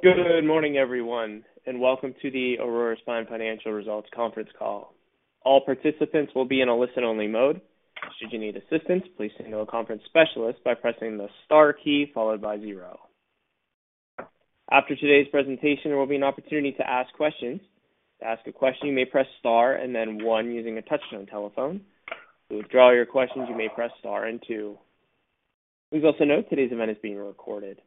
Good morning, everyone, and welcome to the Aurora Spine Financial Results conference call. All participants will be in a listen-only mode. Should you need assistance, please signal a conference specialist by pressing the star key followed by zero. After today's presentation, there will be an opportunity to ask questions. To ask a question, you may press Star and then one using a touchtone telephone. To withdraw your questions, you may press Star and two. Please also note today's event is being recorded.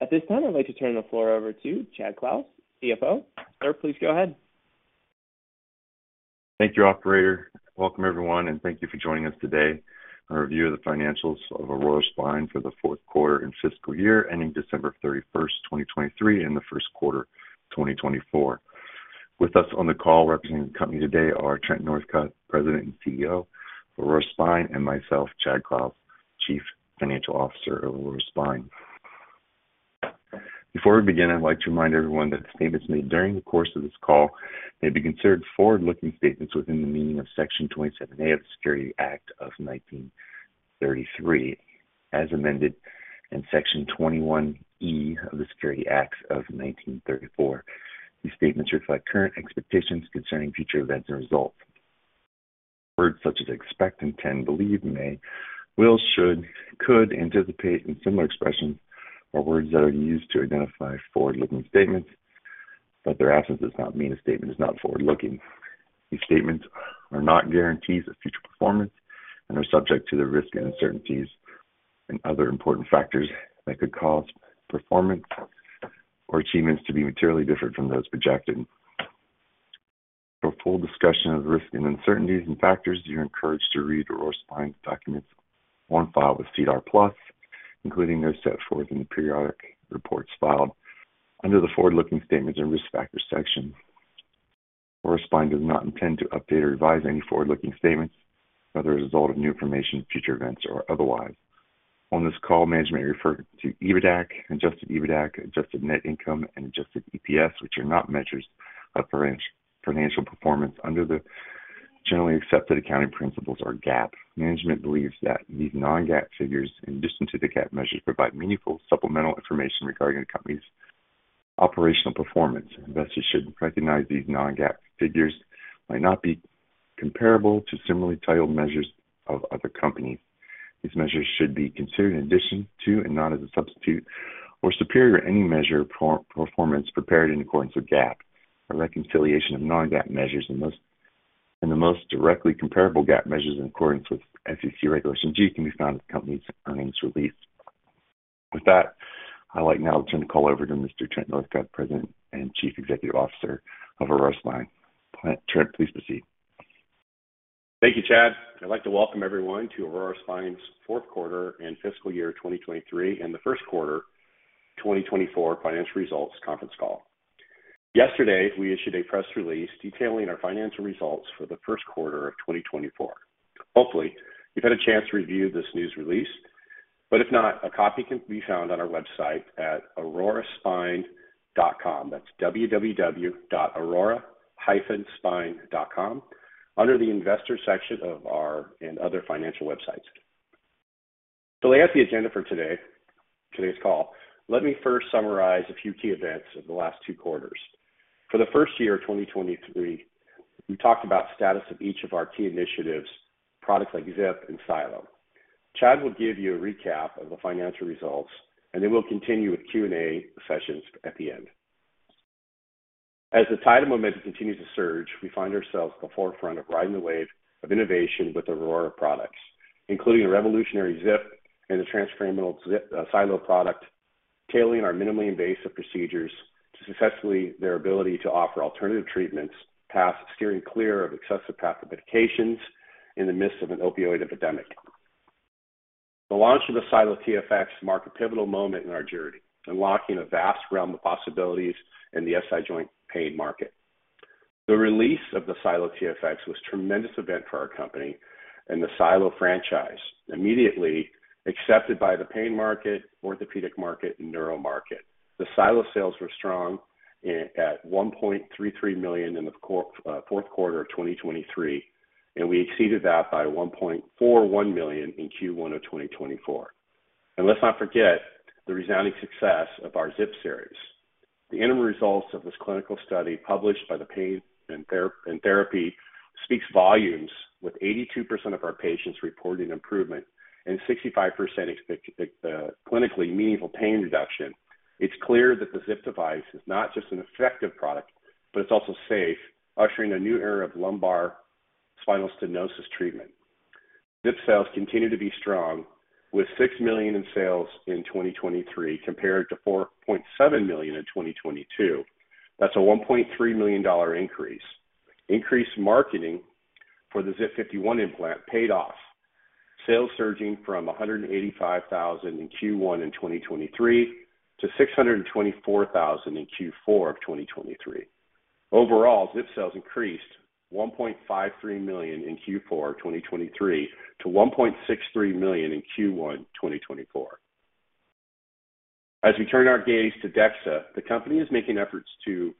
At this time, I'd like to turn the floor over to Chad Clouse, CFO. Sir, please go ahead. Thank you, operator. Welcome, everyone, and thank you for joining us today. A review of the financials of Aurora Spine for the fourth quarter and fiscal year, ending December 31, 2023, and the first quarter, 2024. With us on the call representing the company today are Trent Northcutt, President and CEO, Aurora Spine, and myself, Chad Clouse, Chief Financial Officer of Aurora Spine. Before we begin, I'd like to remind everyone that the statements made during the course of this call may be considered forward-looking statements within the meaning of Section 27A of the Securities Act of 1933, as amended, and Section 21E of the Securities Exchange Act of 1934. These statements reflect current expectations concerning future events and results. Words such as expect, intend, believe, may, will, should, could, anticipate and similar expressions are words that are used to identify forward-looking statements, but their absence does not mean a statement is not forward-looking. These statements are not guarantees of future performance and are subject to the risks and uncertainties and other important factors that could cause performance or achievements to be materially different from those projected. For a full discussion of the risks and uncertainties and factors, you're encouraged to read Aurora Spine's documents on file with SEDAR+, including those set forth in the periodic reports filed under the Forward-Looking Statements and Risk Factors section. Aurora Spine does not intend to update or revise any forward-looking statements as a result of new information, future events, or otherwise. On this call, management refer to EBITDA, Adjusted EBITDA, adjusted net income, and adjusted EPS, which are not measures of financial performance under the generally accepted accounting principles or GAAP. Management believes that these Non-GAAP figures, in addition to the GAAP measures, provide meaningful supplemental information regarding the company's operational performance. Investors should recognize these Non-GAAP figures might not be comparable to similarly titled measures of other companies. These measures should be considered in addition to and not as a substitute or superior to any measure of performance prepared in accordance with GAAP. A reconciliation of Non-GAAP measures to the most directly comparable GAAP measures in accordance with SEC Regulation G can be found in the company's earnings release. With that, I'd like now to turn the call over to Mr. Trent Northcutt, President and Chief Executive Officer of Aurora Spine. Trent, please proceed. Thank you, Chad. I'd like to welcome everyone to Aurora Spine's fourth quarter and fiscal year 2023 and the first quarter 2024 financial results conference call. Yesterday, we issued a press release detailing our financial results for the first quarter of 2024. Hopefully, you've had a chance to review this news release, but if not, a copy can be found on our website at aurora-spine.com. That's www.aurora-spine.com, under the investor section of our and other financial websites. To lay out the agenda for today, today's call, let me first summarize a few key events of the last two quarters. For the fiscal year 2023, we talked about status of each of our key initiatives, products like ZIP and SiLO. Chad will give you a recap of the financial results, and then we'll continue with Q&A sessions at the end. As the tide of momentum continues to surge, we find ourselves at the forefront of riding the wave of innovation with Aurora products, including a revolutionary ZIP and a transforaminal ZIP, SiLO product, tailoring our minimally invasive procedures to successfully their ability to offer alternative treatments, paths steering clear of excessive path of medications in the midst of an opioid epidemic. The launch of the SiLO TFX marked a pivotal moment in our journey, unlocking a vast realm of possibilities in the SI joint pain market. The release of the SiLO TFX was a tremendous event for our company, and the SiLO franchise immediately accepted by the pain market, orthopedic market, and neuro market. The SiLO sales were strong at $1.33 million in the fourth quarter of 2023, and we exceeded that by $1.41 million in Q1 of 2024. Let's not forget the resounding success of our ZIP series. The interim results of this clinical study, published by the Pain and Therapy, speaks volumes, with 82% of our patients reporting improvement and 65% expect clinically meaningful pain reduction. It's clear that the ZIP device is not just an effective product, but it's also safe, ushering a new era of lumbar spinal stenosis treatment. ZIP sales continue to be strong, with $6 million in sales in 2023, compared to $4.7 million in 2022. That's a $1.3 million increase. Increased marketing for the ZIP 51 implant paid off, sales surging from $185,000 in Q1 in 2023 to $624,000 in Q4 of 2023. Overall, ZIP sales increased $1.53 million in Q4 2023 to $1.63 million in Q1 2024. As we turn our gaze to DEXA, the company is making efforts to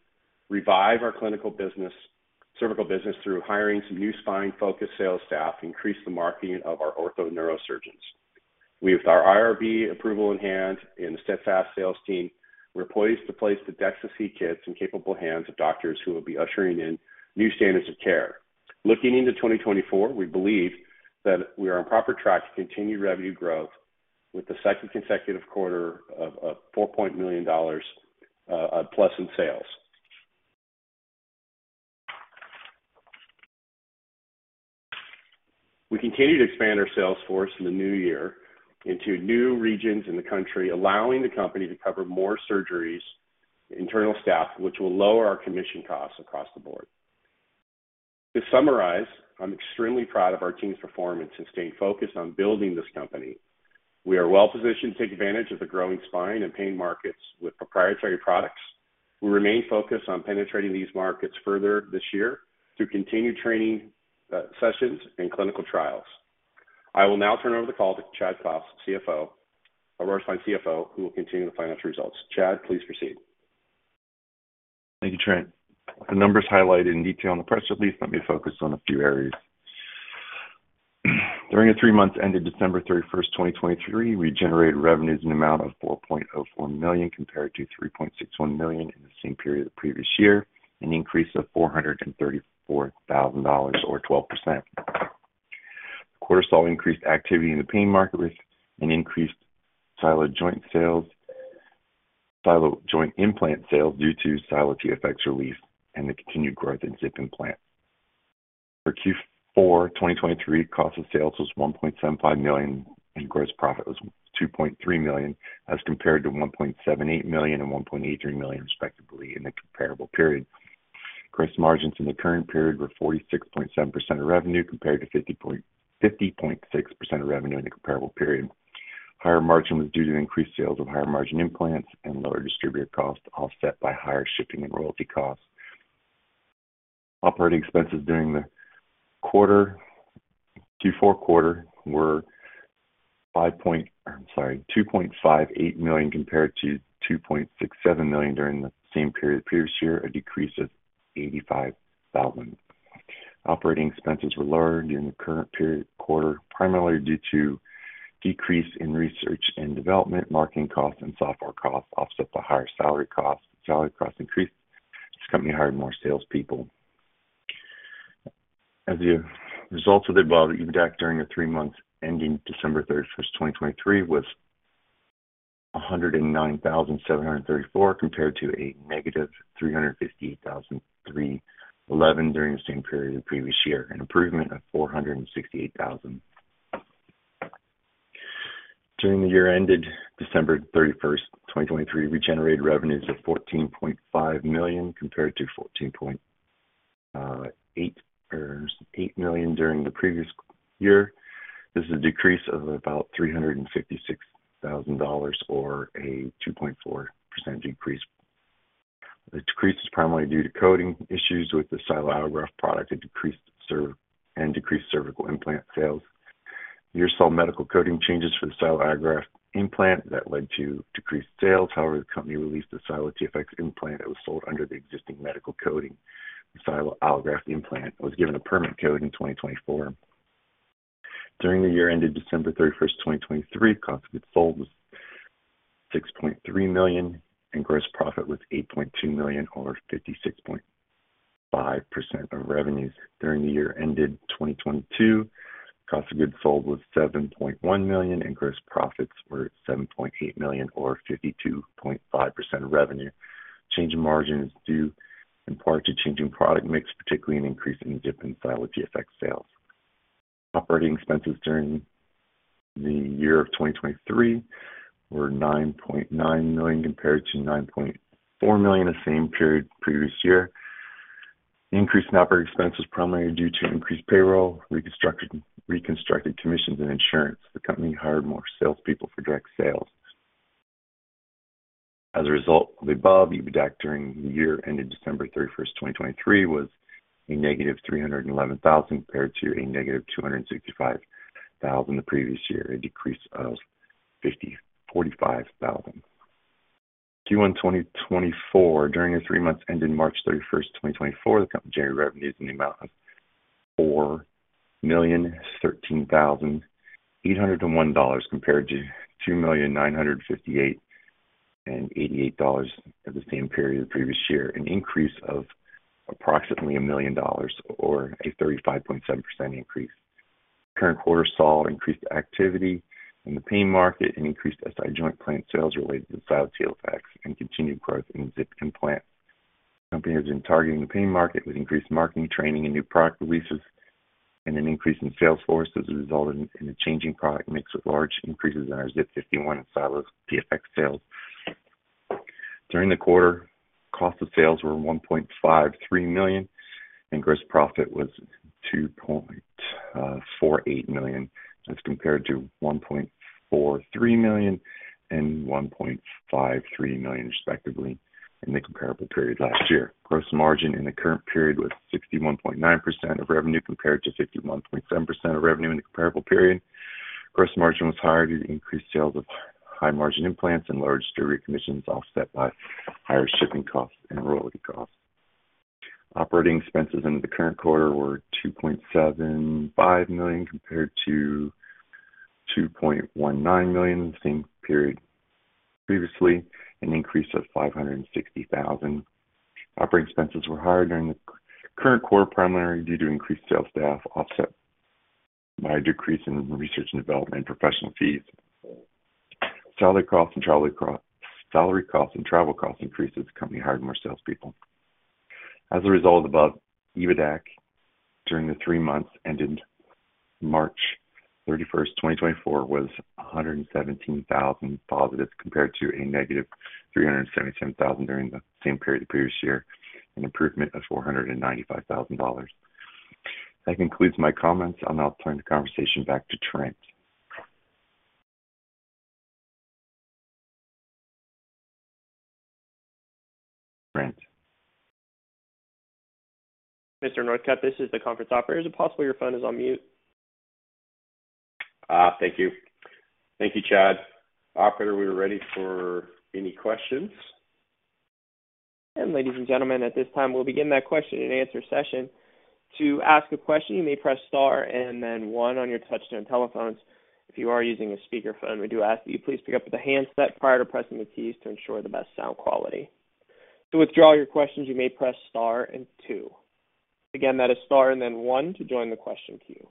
revive our clinical business—cervical business through hiring some new spine-focused sales staff to increase the marketing of our ortho neurosurgeons. With our IRB approval in hand and the steadfast sales team, we're poised to place the DEXA-C kits in capable hands of doctors who will be ushering in new standards of care. Looking into 2024, we believe that we are on proper track to continue revenue growth with the second consecutive quarter of $4+ million in sales. We continue to expand our sales force in the new year into new regions in the country, allowing the company to cover more surgeries, internal staff, which will lower our commission costs across the board. To summarize, I'm extremely proud of our team's performance and staying focused on building this company. We are well-positioned to take advantage of the growing spine and pain markets with proprietary products. We remain focused on penetrating these markets further this year through continued training sessions and clinical trials. I will now turn over the call to Chad Clouse, CFO, Aurora Spine CFO, who will continue the financial results. Chad, please proceed. Thank you, Trent. The numbers highlighted in detail in the press release, let me focus on a few areas. During the three months ended December 31, 2023, we generated revenues in the amount of $4.04 million, compared to $3.61 million in the same period the previous year, an increase of $434,000 or 12%. Quarter saw increased activity in the pain market with an increased SiLO joint sales - SiLO joint implant sales due to SiLO TFX release and the continued growth in ZIP implant. For Q4 2023, cost of sales was $1.75 million, and gross profit was $2.3 million, as compared to $1.78 million and $1.83 million, respectively, in the comparable period. Gross margins in the current period were 46.7% of revenue, compared to 50.6% of revenue in the comparable period. Higher margin was due to increased sales of higher-margin implants and lower distributor costs, offset by higher shipping and royalty costs. Operating expenses during the quarter, Q4 quarter were, I'm sorry, $2.58 million compared to $2.67 million during the same period previous year, a decrease of $85,000. Operating expenses were lower during the current period quarter, primarily due to decrease in research and development, marketing costs and software costs, offset by higher salary costs. Salary costs increased as the company hired more salespeople. As a result of the above, EBITDA during the three months ending December 31, 2023, was $109,734, compared to a negative $358,311 during the same period the previous year, an improvement of $468,000. During the year ended December 31, 2023, we generated revenues of $14.5 million compared to $14.8 million during the previous year. This is a decrease of about $356,000, or a 2.4% decrease. The decrease is primarily due to coding issues with the SiLO Allograft product and decreased cervical implant sales. The year saw medical coding changes for the SiLO Allograft implant that led to decreased sales. However, the company released a SiLO TFX implant that was sold under the existing medical coding. The SiLO Allograft implant was given a permanent code in 2024. During the year ended December 31, 2023, cost of goods sold was $6.3 million, and gross profit was $8.2 million, or 56.5% of revenues. During the year ended 2022, cost of goods sold was $7.1 million, and gross profits were $7.8 million, or 52.5% of revenue. Change in margin is due in part to changing product mix, particularly an increase in ZIP and SiLO TFX sales. Operating expenses during the year of 2023 were $9.9 million, compared to $9.4 million the same period the previous year. Increased operating expenses primarily due to increased payroll, reconstructed commissions and insurance. The company hired more salespeople for direct sales. As a result of the above, EBITDA during the year ended December 31, 2023, was -$311,000, compared to -$265,000 the previous year, a decrease of $46,000. Q1 2024, during the three months ending March 31, 2024, the company generated revenues in the amount of $4,013,801, compared to $2,958,088 for the same period the previous year, an increase of approximately $1 million or a 35.7% increase. Current quarter saw increased activity in the pain market and increased SI joint implant sales related to the SiLO TFX and continued growth in ZIP implant. Company has been targeting the pain market with increased marketing, training and new product releases, and an increase in sales force has resulted in a changing product mix, with large increases in our ZIP 51 and SiLO TFX sales. During the quarter, cost of sales were $1.53 million, and gross profit was $2.48 million, as compared to $1.43 million and $1.53 million, respectively, in the comparable period last year. Gross margin in the current period was 61.9% of revenue, compared to 51.7% of revenue in the comparable period.... Gross margin was higher due to increased sales of high margin implants and large distributor commissions, offset by higher shipping costs and royalty costs. Operating expenses in the current quarter were $2.75 million, compared to $2.19 million in the same period previously, an increase of $560,000. Operating expenses were higher during the current quarter, primarily due to increased sales staff, offset by a decrease in research and development and professional fees. Salary costs and travel costs increased as the company hired more salespeople. As a result of the above, EBITDA during the three months ended March thirty-first, 2024, was $117,000 positive, compared to a negative $377,000 during the same period the previous year, an improvement of $495,000. That concludes my comments. I'll now turn the conversation back to Trent. Trent? Mr. Northcutt, this is the conference operator. Is it possible your phone is on mute? Thank you. Thank you, Chad. Operator, we are ready for any questions. Ladies and gentlemen, at this time, we'll begin that question-and-answer session. To ask a question, you may press star and then one on your touchtone telephones. If you are using a speaker phone, we do ask that you please pick up with the handset prior to pressing the keys to ensure the best sound quality. To withdraw your questions, you may press star and two. Again, that is star and then one to join the question queue.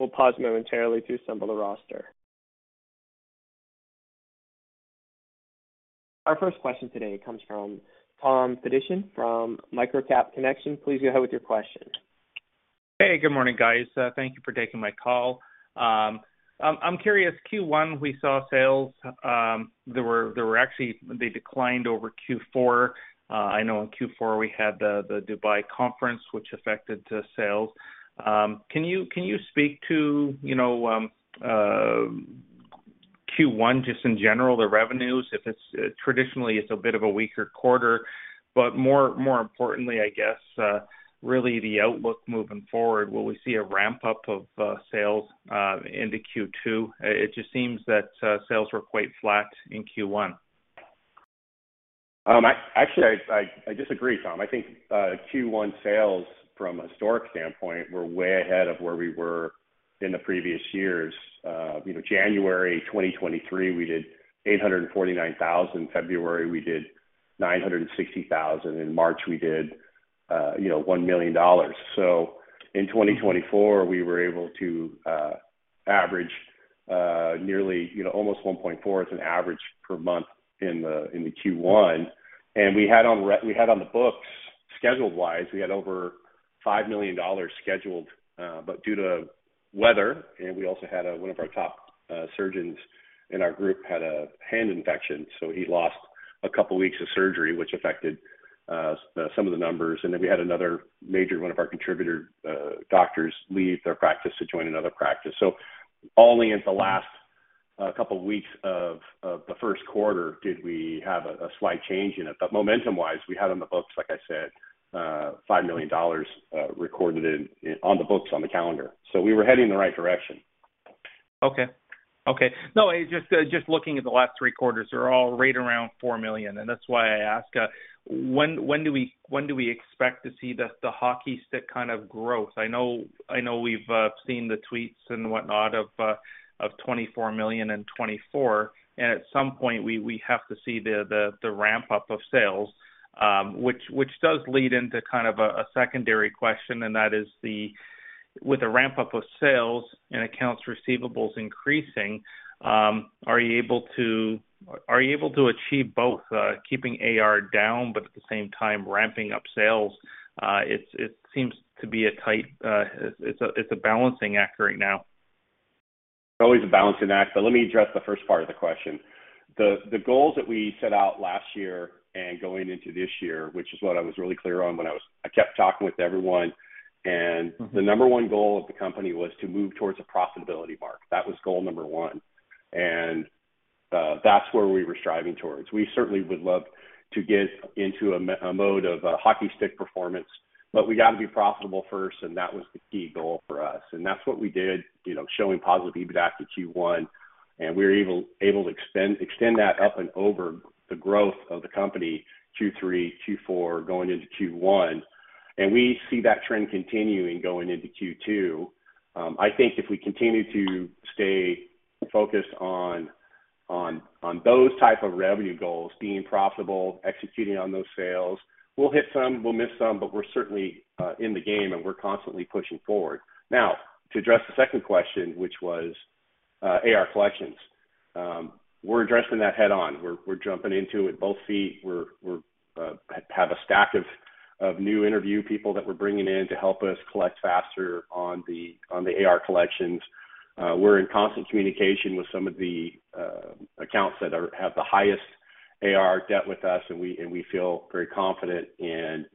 We'll pause momentarily to assemble the roster. Our first question today comes from Tom Fediw from MicroCap Connection. Please go ahead with your question. Hey, good morning, guys. Thank you for taking my call. I'm curious. Q1, we saw sales. There were actually - they declined over Q4. I know in Q4 we had the Dubai conference, which affected the sales. Can you speak to, you know, Q1, just in general, the revenues? If it's traditionally a bit of a weaker quarter, but more importantly, I guess, really the outlook moving forward, will we see a ramp-up of sales into Q2? It just seems that sales were quite flat in Q1. Actually, I disagree, Tom. I think Q1 sales from a historic standpoint were way ahead of where we were in the previous years. You know, January 2023, we did $849,000. February, we did $960,000. In March, we did, you know, $1 million. So in 2024, we were able to average nearly, you know, almost $1.4 million as an average per month in the Q1. And we had on the books, scheduled wise, we had over $5 million scheduled, but due to weather, and we also had one of our top surgeons in our group had a hand infection, so he lost a couple weeks of surgery, which affected some of the numbers. Then we had another major one of our contributor doctors leave their practice to join another practice. So only in the last couple of weeks of the first quarter did we have a slight change in it. But momentum wise, we had on the books, like I said, $5 million recorded in, on the books, on the calendar. So we were heading in the right direction. Okay. Okay. No, just, just looking at the last three quarters, they're all right around $4 million, and that's why I ask. When, when do we, when do we expect to see the, the hockey stick kind of growth? I know, I know we've seen the tweets and whatnot of, of $24 million in 2024, and at some point we, we have to see the, the, the ramp-up of sales. Which, which does lead into kind of a, a secondary question, and that is the... With the ramp-up of sales and accounts receivables increasing, are you able to, are you able to achieve both, keeping AR down, but at the same time ramping up sales? It's, it seems to be a tight, it's a, it's a balancing act right now. Always a balancing act, but let me address the first part of the question. The goals that we set out last year and going into this year, which is what I was really clear on when I was—I kept talking with everyone, and- The number one goal of the company was to move towards a profitability mark. That was goal number one, and that's where we were striving towards. We certainly would love to get into a mode of hockey stick performance, but we got to be profitable first, and that was the key goal for us. And that's what we did, you know, showing positive EBITDA to Q1, and we were able to extend that up and over the growth of the company, Q3, Q4, going into Q1, and we see that trend continuing going into Q2. I think if we continue to stay focused on those type of revenue goals, being profitable, executing on those sales, we'll hit some, we'll miss some, but we're certainly in the game, and we're constantly pushing forward. Now, to address the second question, which was AR collections, we're addressing that head on. We're, we're have a stack of new interview people that we're bringing in to help us collect faster on the AR collections. We're in constant communication with some of the accounts that have the highest AR debt with us, and we feel very confident in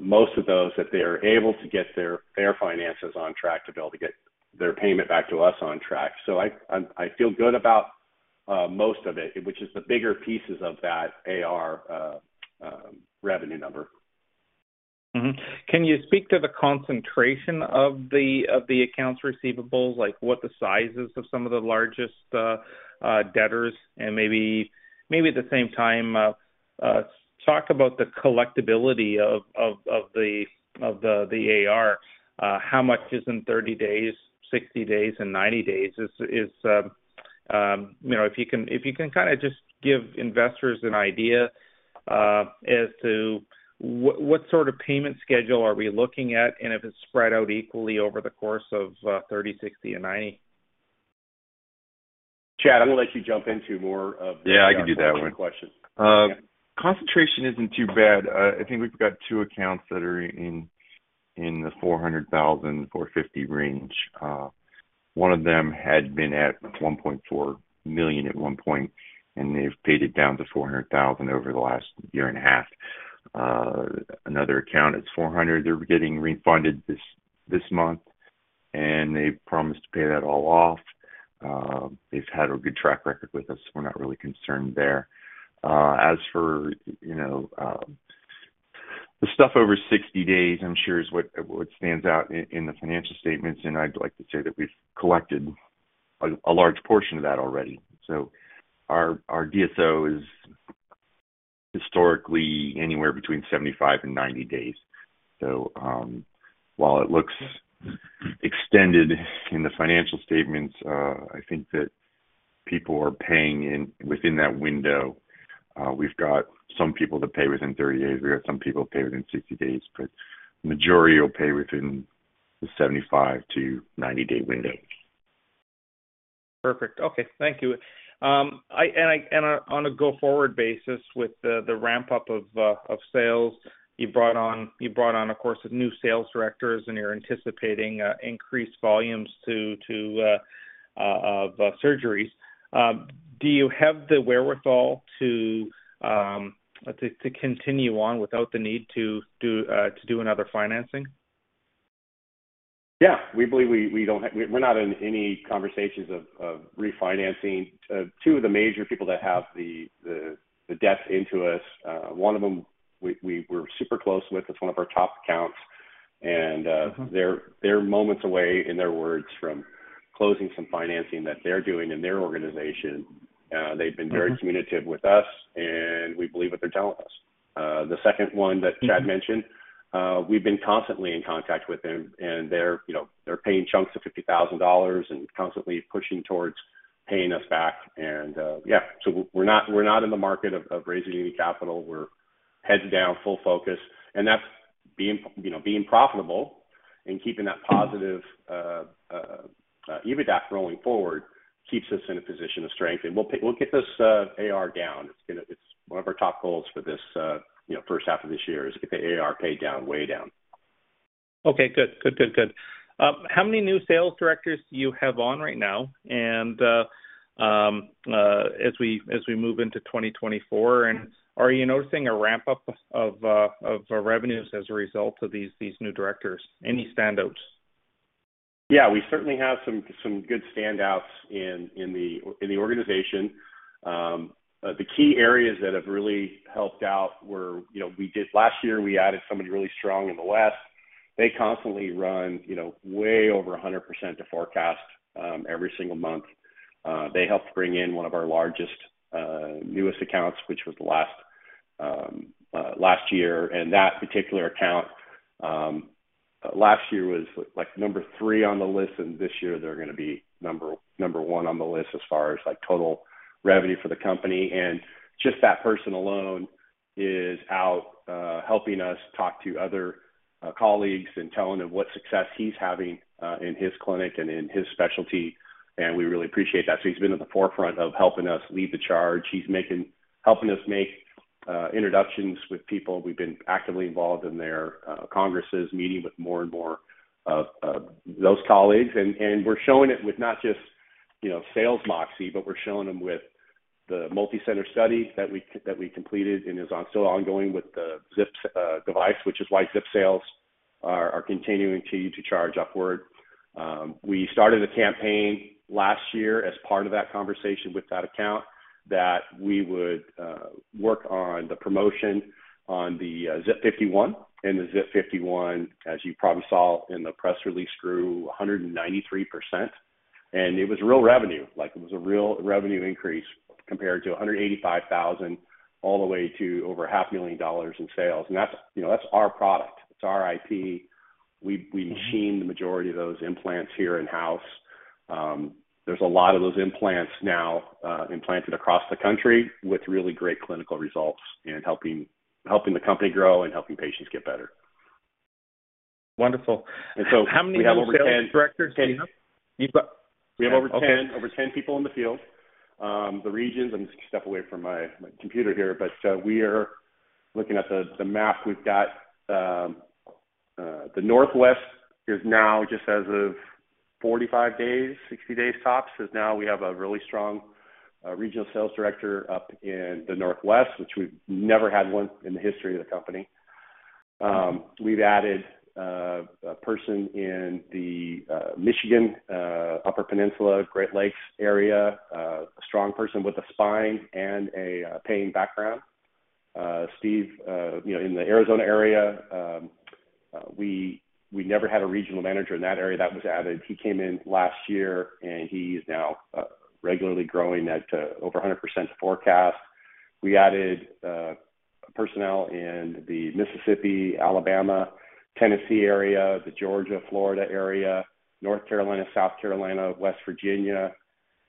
most of those that they are able to get their finances on track, to be able to get their payment back to us on track. So I feel good about most of it, which is the bigger pieces of that AR revenue number.... Mm-hmm. Can you speak to the concentration of the accounts receivables? Like, what the sizes of some of the largest debtors, and maybe at the same time, talk about the collectibility of the AR. How much is in 30 days, 60 days, and 90 days? Is, you know, if you can kinda just give investors an idea as to what sort of payment schedule are we looking at, and if it's spread out equally over the course of 30, 60, and 90. Chad, I'm gonna let you jump into more of the- Yeah, I can do that one. Questions. Concentration isn't too bad. I think we've got two accounts that are in the $400,000-$450,000 range. One of them had been at $1.4 million at one point, and they've paid it down to $400,000 over the last year and a half. Another account, it's $400,000. They're getting refunded this month, and they've promised to pay that all off. They've had a good track record with us, we're not really concerned there. As for, you know, the stuff over 60 days, I'm sure is what stands out in the financial statements, and I'd like to say that we've collected a large portion of that already. So our DSO is historically anywhere between 75 and 90 days. So, while it looks extended in the financial statements, I think that people are paying in within that window. We've got some people that pay within 30 days, we've got some people who pay within 60 days, but majority will pay within the 75-90-day window. Perfect. Okay, thank you. And on a go-forward basis with the ramp-up of sales, you brought on, of course, new sales directors, and you're anticipating increased volumes of surgeries. Do you have the wherewithal to continue on without the need to do another financing? Yeah, we believe we don't have. We're not in any conversations of refinancing. Two of the major people that have the debt into us, one of them we're super close with. It's one of our top accounts, and... they're, they're moments away, in their words, from closing some financing that they're doing in their organization. They've been-... very communicative with us, and we believe what they're telling us. The second one that Chad mentioned, we've been constantly in contact with them, and they're, you know, they're paying chunks of $50,000 and constantly pushing towards paying us back. And, yeah, so we're not, we're not in the market of, of raising any capital. We're heads down, full focus, and that's being, you know, being profitable and keeping that positive EBITDA going forward keeps us in a position of strength. And we'll, we'll get this AR down. It's gonna, it's one of our top goals for this, you know, first half of this year, is get the AR paid down, way down. Okay, good. Good, good, good. How many new sales directors do you have on right now, and as we move into 2024, and are you noticing a ramp-up of revenues as a result of these new directors? Any standouts? Yeah, we certainly have some good standouts in the organization. The key areas that have really helped out were, you know, we did last year, we added somebody really strong in the west. They constantly run, you know, way over 100% to forecast every single month. They helped bring in one of our largest newest accounts, which was last year. And that particular account last year was, like, number three on the list, and this year they're gonna be number one on the list as far as, like, total revenue for the company. And just that person alone is out helping us talk to other colleagues and telling them what success he's having in his clinic and in his specialty, and we really appreciate that. So he's been at the forefront of helping us lead the charge. He's helping us make introductions with people. We've been actively involved in their congresses, meeting with more and more of those colleagues. And we're showing it with not just, you know, sales moxie, but we're showing them with the multicenter study that we completed and is still ongoing with the ZIP device, which is why ZIP sales are continuing to charge upward. We started a campaign last year as part of that conversation with that account, that we would work on the promotion on the ZIP 51, and the ZIP 51, as you probably saw in the press release, grew 193%. It was real revenue, like it was a real revenue increase compared to $185,000, all the way to over $500,000 in sales. That's, you know, that's our product, it's our IP. We-... we machine the majority of those implants here in-house. There's a lot of those implants now implanted across the country with really great clinical results, and helping the company grow and helping patients get better. Wonderful. And so- How many sales directors do you have? You've got- We have over 10- Okay... over 10 people in the field. The regions, let me just step away from my computer here, but we are looking at the map. We've got the Northwest is now, just as of 45 days, 60 days tops, is now we have a really strong regional sales director up in the Northwest, which we've never had one in the history of the company. We've added a person in the Michigan Upper Peninsula, Great Lakes area, a strong person with a spine and a pain background. Steve, you know, in the Arizona area, we never had a regional manager in that area. That was added. He came in last year, and he is now regularly growing that to over 100% forecast. We added personnel in the Mississippi, Alabama, Tennessee area, the Georgia, Florida area, North Carolina, South Carolina, West Virginia,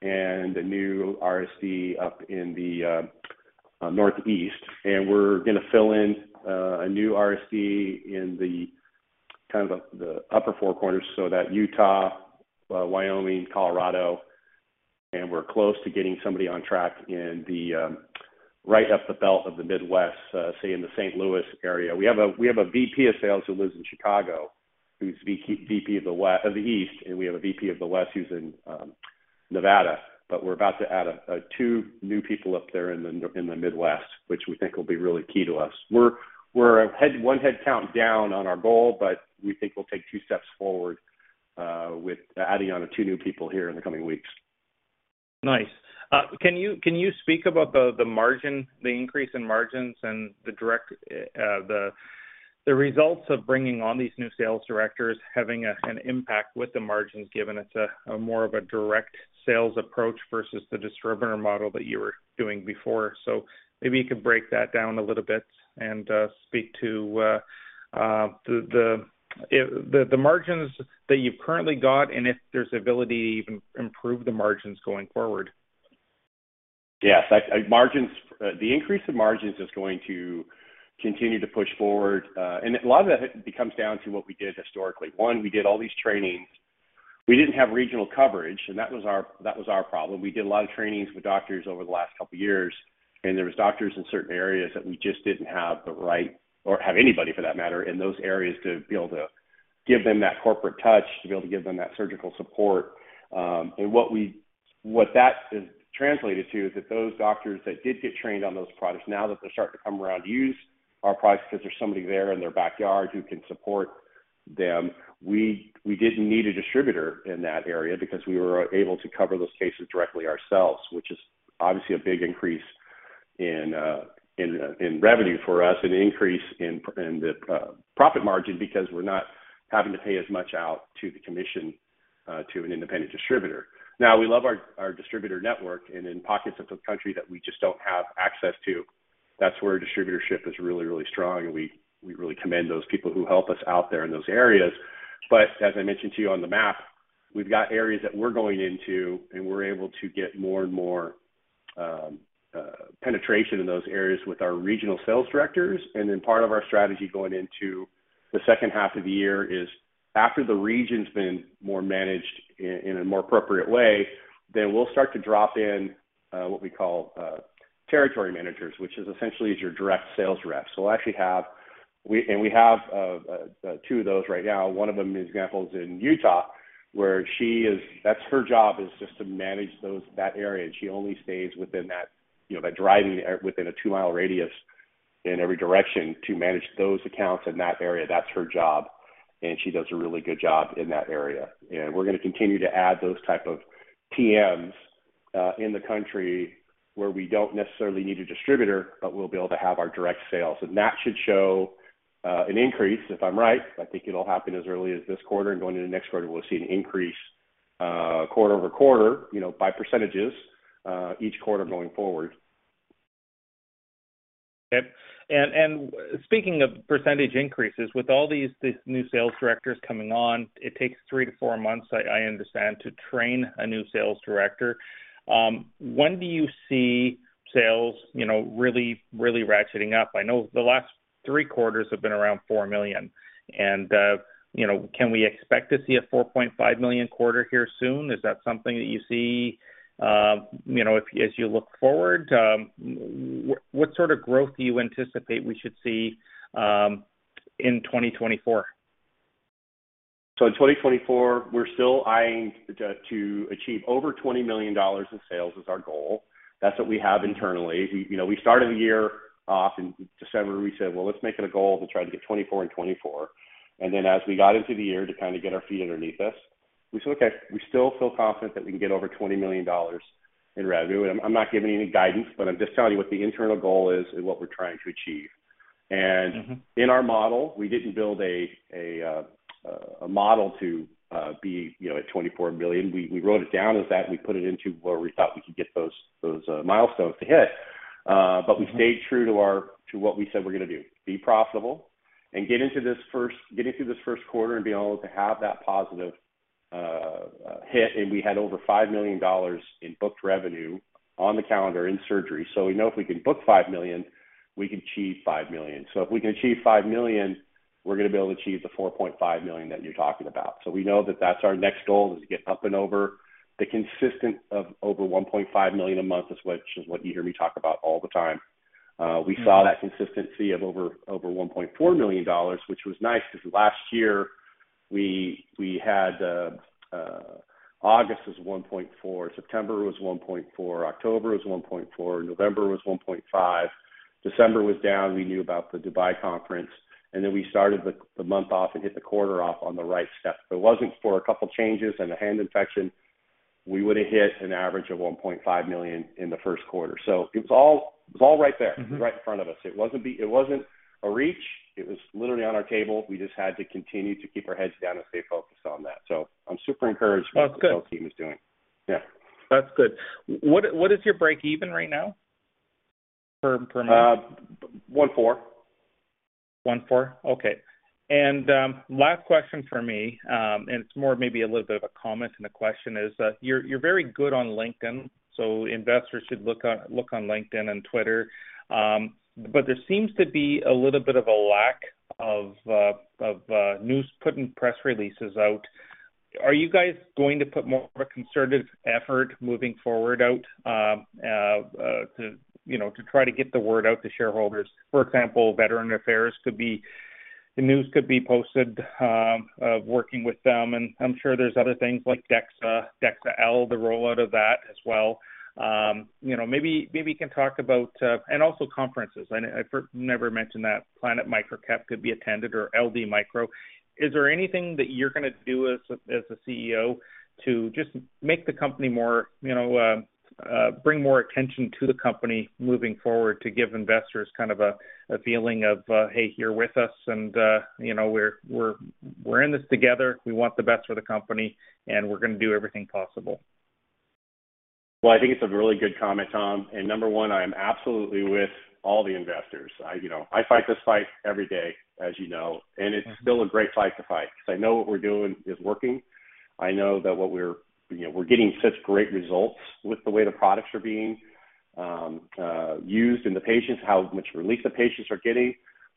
and a new RSC up in the Northeast. We're gonna fill in a new RSC in the upper Four Corners, so that Utah, Wyoming, Colorado, and we're close to getting somebody on track in the right up the belt of the Midwest, say, in the St. Louis area. We have a VP of Sales who lives in Chicago, who's VP of the East, and we have a VP of the West who's in Nevada, but we're about to add two new people up there in the Midwest, which we think will be really key to us. We're ahead one headcount down on our goal, but we think we'll take two steps forward with adding on the two new people here in the coming weeks. Nice. Can you speak about the margin, the increase in margins and the direct, the results of bringing on these new sales directors, having an impact with the margins, given it's a more of a direct sales approach versus the distributor model that you were doing before? So maybe you could break that down a little bit and speak to the margins that you've currently got and if there's ability to even improve the margins going forward. Yes, like, margins, the increase in margins is going to continue to push forward. And a lot of that becomes down to what we did historically. One, we did all these trainings. We didn't have regional coverage, and that was our, that was our problem. We did a lot of trainings with doctors over the last couple of years, and there was doctors in certain areas that we just didn't have the right or have anybody, for that matter, in those areas to be able to give them that corporate touch, to be able to give them that surgical support. And what that has translated to is that those doctors that did get trained on those products, now that they're starting to come around to use our products because there's somebody there in their backyard who can support them, we didn't need a distributor in that area because we were able to cover those cases directly ourselves, which is obviously a big increase in revenue for us, an increase in the profit margin because we're not having to pay as much out to the commission to an independent distributor. Now, we love our distributor network, and in pockets of the country that we just don't have access to, that's where distributorship is really, really strong, and we really commend those people who help us out there in those areas. But as I mentioned to you on the map, we've got areas that we're going into, and we're able to get more and more penetration in those areas with our regional sales directors. And then part of our strategy going into the second half of the year is after the region's been more managed in a more appropriate way, then we'll start to drop in what we call territory managers, which is essentially your direct sales rep. So we'll actually have. And we have two of those right now. One of them, for example, is in Utah, where she is. That's her job, is just to manage those, that area, and she only stays within that, you know, by driving within a two-mile radius in every direction to manage those accounts in that area. That's her job, and she does a really good job in that area. And we're gonna continue to add those type of TMs, in the country where we don't necessarily need a distributor, but we'll be able to have our direct sales. And that should show, an increase, if I'm right. I think it'll happen as early as this quarter and going into next quarter, we'll see an increase, quarter-over-quarter, you know, by percentages, each quarter going forward. Yep. And speaking of percentage increases, with all these new sales directors coming on, it takes 3-4 months, I understand, to train a new sales director. When do you see sales, you know, really ratcheting up? I know the last three quarters have been around $4 million. And, you know, can we expect to see a $4.5 million quarter here soon? Is that something that you see, you know, if, as you look forward, what sort of growth do you anticipate we should see in 2024? So in 2024, we're still eyeing to, to achieve over $20 million in sales is our goal. That's what we have internally. We, you know, we started the year off in December, we said: Well, let's make it a goal to try to get 24 in 2024. And then as we got into the year to kind of get our feet underneath us, we said, "Okay, we still feel confident that we can get over $20 million in revenue." And I'm not giving any guidance, but I'm just telling you what the internal goal is and what we're trying to achieve. In our model, we didn't build a model to be, you know, at $24 million. We wrote it down as that, and we put it into where we thought we could get those milestones to hit. But we stayed true to what we said we're gonna do: be profitable and get into this first quarter and be able to have that positive hit. We had over $5 million in booked revenue on the calendar in surgery. So we know if we can book $5 million, we can achieve $5 million. So if we can achieve $5 million, we're gonna be able to achieve the $4.5 million that you're talking about. So we know that that's our next goal, is to get up and over the consistent of over $1.5 million a month, is what, which is what you hear me talk about all the time. We saw that consistency of over, over $1.4 million, which was nice, because last year we, we had, August was $1.4 million, September was $1.4 million, October was $1.4 million, November was $1.5 million. December was down. We knew about the Dubai conference, and then we started the, the month off and hit the quarter off on the right step. If it wasn't for a couple changes and a hand infection, we would have hit an average of $1.5 million in the first quarter. So it was all, it was all right there, right in front of us. It wasn't a reach. It was literally on our table. We just had to continue to keep our heads down and stay focused on that. So I'm super encouraged- Oh, good. with what the team is doing. Yeah. That's good. What is your break-even right now per month? 14. 14? Okay. And, last question for me, and it's more maybe a little bit of a comment than a question, is that you're, you're very good on LinkedIn, so investors should look on, look on LinkedIn and Twitter. But there seems to be a little bit of a lack of, of, news, putting press releases out. Are you guys going to put more of a concerted effort moving forward out, to, you know, to try to get the word out to shareholders? For example, Veterans Affairs could be... the news could be posted, of working with them, and I'm sure there's other things like DEXA, DEXA-L, the rollout of that as well. You know, maybe, maybe you can talk about... and also conferences. I've never mentioned that Planet MicroCap could be attended or LD Micro. Is there anything that you're gonna do as a CEO to just make the company more, you know, bring more attention to the company moving forward to give investors kind of a feeling of, "Hey, you're with us, and, you know, we're in this together. We want the best for the company, and we're gonna do everything possible? Well, I think it's a really good comment, Tom, and number one, I am absolutely with all the investors. I, you know, I fight this fight every day, as you know, and it's still a great fight to fight because I know what we're doing is working. I know that what we're, you know, we're getting such great results with the way the products are being used in the patients, how much relief the patients are getting.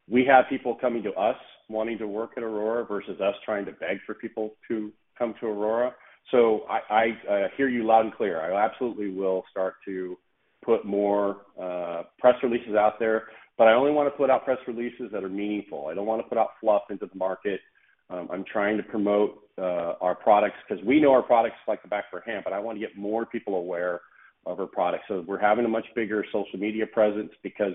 We have people coming to us wanting to work at Aurora versus us trying to beg for people to come to Aurora. So I hear you loud and clear. I absolutely will start to put more press releases out there, but I only want to put out press releases that are meaningful. I don't want to put out fluff into the market. I'm trying to promote our products because we know our products like the back of our hand, but I want to get more people aware of our products. So we're having a much bigger social media presence because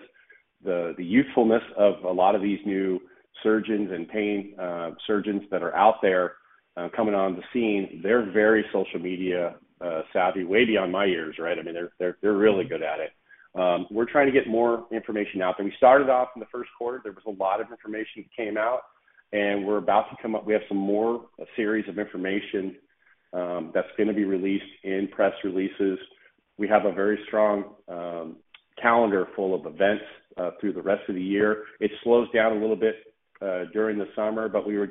the youthfulness of a lot of these new surgeons and pain surgeons that are out there coming on the scene, they're very social media savvy, way beyond my years, right? I mean, they're, they're, they're really good at it. We're trying to get more information out there. We started off in the first quarter. There was a lot of information that came out, and we're about to come up—we have some more, a series of information that's gonna be released in press releases. We have a very strong calendar full of events through the rest of the year. It slows down a little bit during the summer, but we were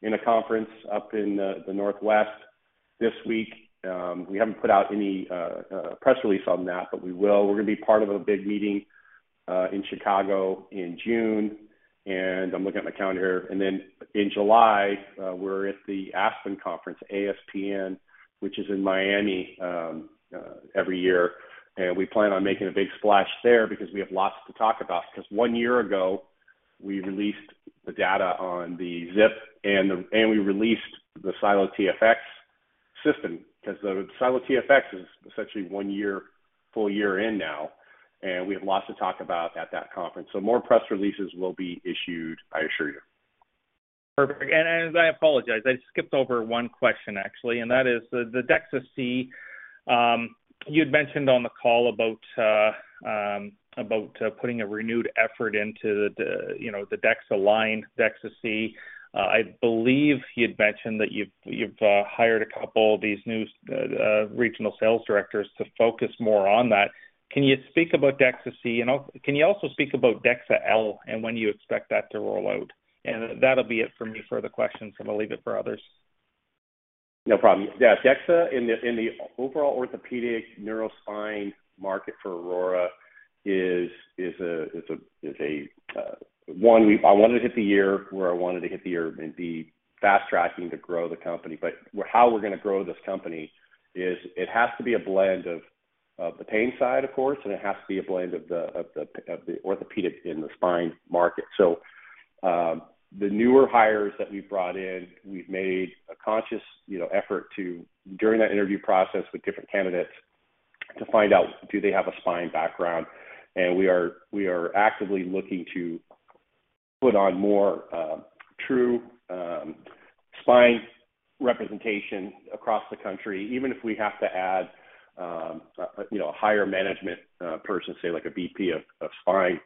just in a conference up in the Northwest this week. We haven't put out any press release on that, but we will. We're gonna be part of a big meeting in Chicago in June, and I'm looking at my calendar here. Then in July, we're at the ASPN conference, which is in Miami every year. We plan on making a big splash there because we have lots to talk about. Because one year ago, we released the data on the ZIP and we released the SiLO TFX system, because the SiLO TFX is essentially one year, full year in now, and we have lots to talk about at that conference. More press releases will be issued, I assure you. Perfect. And I apologize. I skipped over one question, actually, and that is the DEXA-C. You'd mentioned on the call about putting a renewed effort into the, you know, the DEXA line, DEXA-C. I believe you'd mentioned that you've hired a couple of these new regional sales directors to focus more on that. Can you speak about DEXA-C? And also can you speak about DEXA-L and when you expect that to roll out? And that'll be it for me for the questions, and I'll leave it for others. No problem. Yeah, DEXA in the overall orthopedic neurospine market for Aurora is a one. I wanted to hit the year and be fast-tracking to grow the company. But how we're gonna grow this company is, it has to be a blend of the pain side, of course, and it has to be a blend of the orthopedic and the spine market. So, the newer hires that we've brought in, we've made a conscious, you know, effort to, during that interview process with different candidates, to find out do they have a spine background? We are actively looking to put on more true spine representation across the country, even if we have to add you know a higher management person say like a VP of spine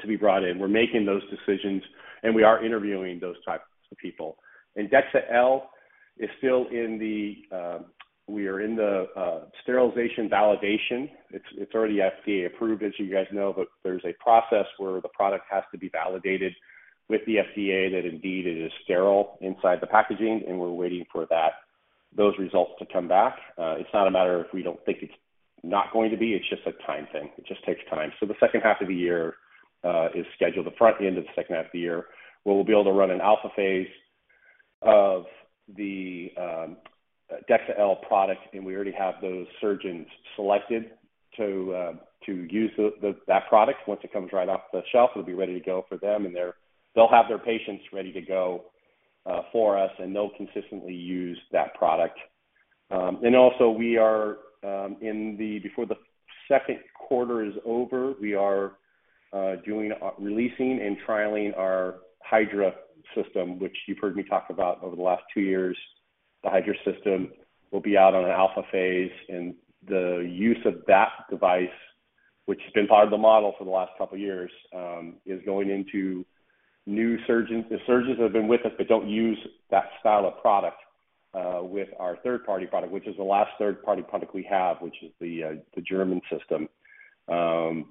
to be brought in. We're making those decisions, and we are interviewing those types of people. DEXA-L is still in the sterilization validation. It's already FDA approved, as you guys know, but there's a process where the product has to be validated with the FDA that indeed it is sterile inside the packaging, and we're waiting for that those results to come back. It's not a matter of we don't think it's not going to be, it's just a time thing. It just takes time. So the second half of the year is scheduled. The front end of the second half of the year, where we'll be able to run an alpha phase of the DEXA-L product, and we already have those surgeons selected to use that product. Once it comes right off the shelf, we'll be ready to go for them, and they'll have their patients ready to go for us, and they'll consistently use that product. And also, before the second quarter is over, we are doing releasing and trialing our HYDRA system, which you've heard me talk about over the last two years. The HYDRA system will be out on an alpha phase, and the use of that device, which has been part of the model for the last couple of years, is going into new surgeons. The surgeons have been with us, but don't use that style of product with our third-party product, which is the last third-party product we have, which is the German system.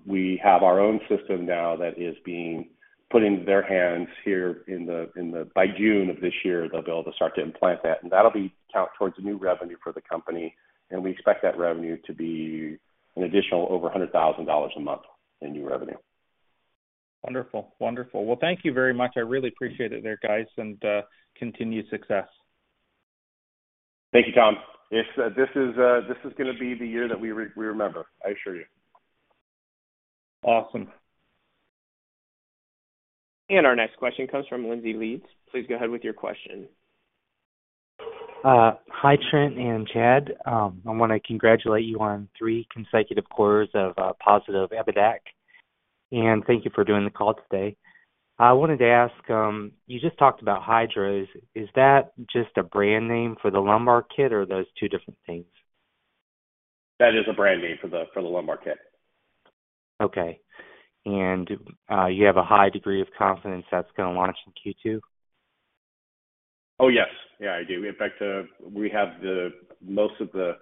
We have our own system now that is being put into their hands here in the by June of this year, they'll be able to start to implant that, and that'll be count towards the new revenue for the company, and we expect that revenue to be an additional over $100,000 a month in new revenue. Wonderful. Wonderful. Well, thank you very much. I really appreciate it there, guys, and continued success. Thank you, Tom. It's, this is, this is gonna be the year that we remember, I assure you. Awesome. Our next question comes from Lindsay Leeds. Please go ahead with your question. Hi, Trent and Chad. I wanna congratulate you on three consecutive quarters of positive EBITDA, and thank you for doing the call today. I wanted to ask, you just talked about HYDRA. Is that just a brand name for the lumbar kit, or are those two different things? That is a brand name for the lumbar kit. Okay. And, you have a high degree of confidence that's gonna launch in Q2? Oh, yes. Yeah, I do. In fact, we have the most of the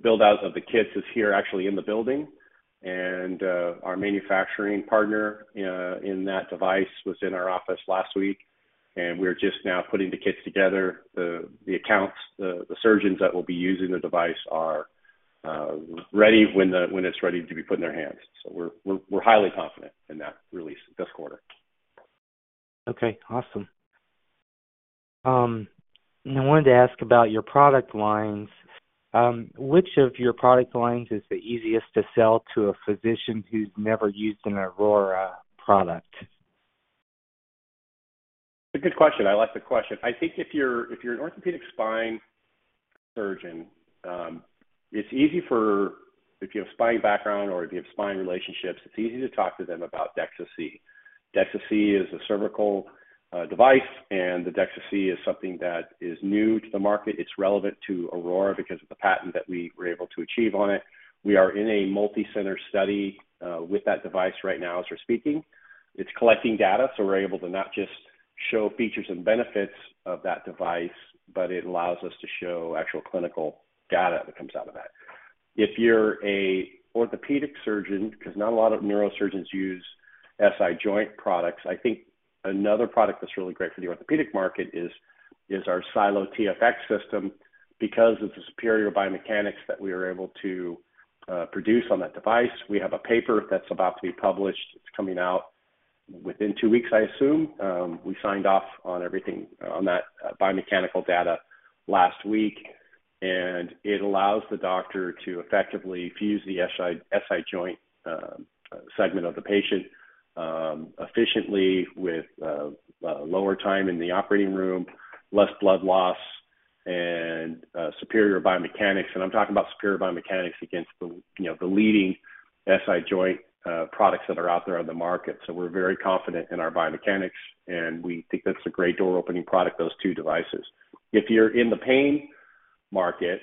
build-outs of the kits here, actually in the building, and our manufacturing partner in that device was in our office last week, and we're just now putting the kits together. The accounts, the surgeons that will be using the device are ready when it's ready to be put in their hands. So we're highly confident in that release this quarter. Okay, awesome. I wanted to ask about your product lines. Which of your product lines is the easiest to sell to a physician who's never used an Aurora product? A good question. I like the question. I think if you're, if you're an orthopedic spine surgeon, it's easy for if you have spine background or if you have spine relationships, it's easy to talk to them about DEXA-C. DEXA-C is a cervical device, and the DEXA-C is something that is new to the market. It's relevant to Aurora because of the patent that we were able to achieve on it. We are in a multicenter study with that device right now as we're speaking. It's collecting data, so we're able to not just show features and benefits of that device, but it allows us to show actual clinical data that comes out of that. If you're an orthopedic surgeon, because not a lot of neurosurgeons use SI joint products, I think another product that's really great for the orthopedic market is SiLO TFX system. Because of the superior biomechanics that we were able to produce on that device, we have a paper that's about to be published. It's coming out within two weeks, I assume. We signed off on everything on that biomechanical data last week, and it allows the doctor to effectively fuse the SI joint segment of the patient efficiently with lower time in the operating room, less blood loss, and superior biomechanics. And I'm talking about superior biomechanics against the, you know, the leading SI joint products that are out there on the market. So we're very confident in our biomechanics, and we think that's a great door-opening product, those two devices. If you're in the pain market,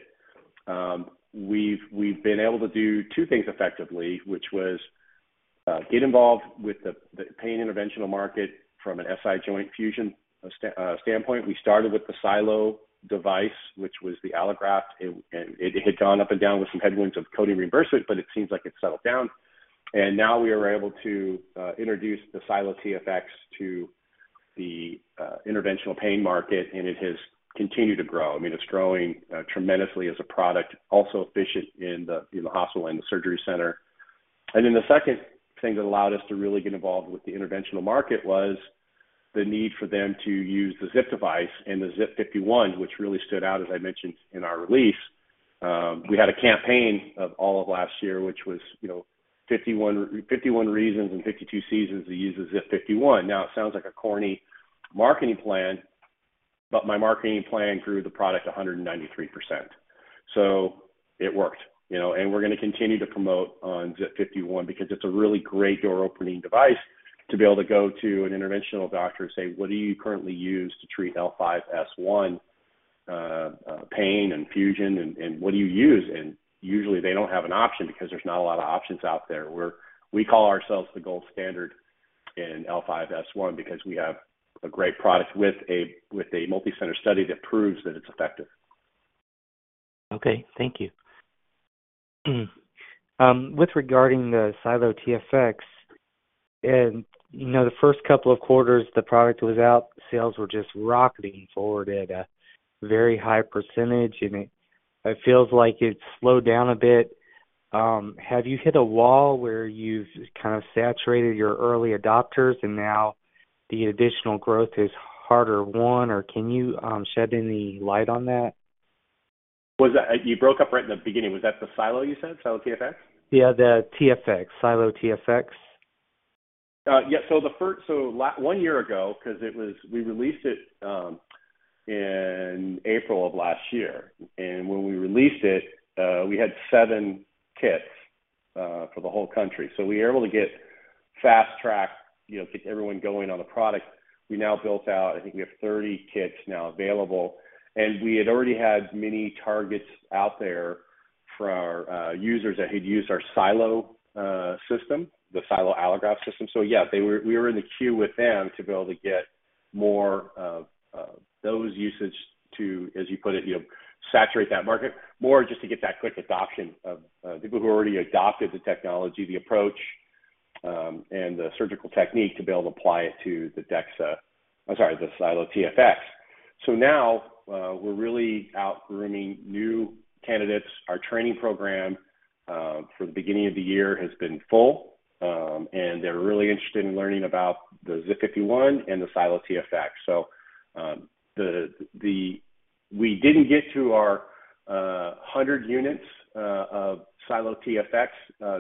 we've been able to do two things effectively, which was get involved with the pain interventional market from an SI joint fusion standpoint. We started with the SiLO device, which was the allograft, and it had gone up and down with some headwinds of coding reimbursement, but it seems like it's settled down. And now we are able to introduce the SiLO TFX to the interventional pain market, and it has continued to grow. I mean, it's growing tremendously as a product, also efficient in the hospital and the surgery center. And then the second thing that allowed us to really get involved with the interventional market was the need for them to use the ZIP device and the ZIP 51, which really stood out, as I mentioned in our release. We had a campaign of all of last year, which was, you know, 51, 51 reasons and 52 seasons to use the ZIP 51. Now, it sounds like a corny marketing plan, but my marketing plan grew the product 193%. So it worked, you know, and we're gonna continue to promote ZIP 51 because it's a really great door-opening device to be able to go to an interventional doctor and say: "What do you currently use to treat L5-S1 pain and fusion, and what do you use?" And usually, they don't have an option because there's not a lot of options out there. We call ourselves the gold standard in L5-S1 because we have a great product with a multicenter study that proves that it's effective. Okay, thank you. With regarding SiLO TFX, and, you know, the first couple of quarters, the product was out, sales were just rocketing forward at a very high percentage, and it, it feels like it's slowed down a bit. Have you hit a wall where you've kind of saturated your early adopters and now the additional growth is harder won, or can you shed any light on that? Was that... You broke up right in the beginning. Was that the SiLO, you said, SiLO TFX? Yeah, the TFX, SiLO TFX. Yeah. So one year ago, 'cause it was, we released it in April of last year. And when we released it, we had 7 kits for the whole country. So we were able to get fast-tracked, you know, get everyone going on the product. We now built out, I think we have 30 kits now available, and we had already had many targets out there for our users that had used our SiLO system, the SiLO Allograft system. So yeah, we were in the queue with them to be able to get more of those usage to, as you put it, you know, saturate that market. More just to get that quick adoption of people who already adopted the technology, the approach, and the surgical technique to be able to apply it to the DEXA-- I'm sorry, the SiLO TFX. So now we're really out grooming new candidates. Our training program for the beginning of the year has been full, and they're really interested in learning about the ZIP-51 and the SiLO TFX. So we didn't get to our 100 units of SiLO TFX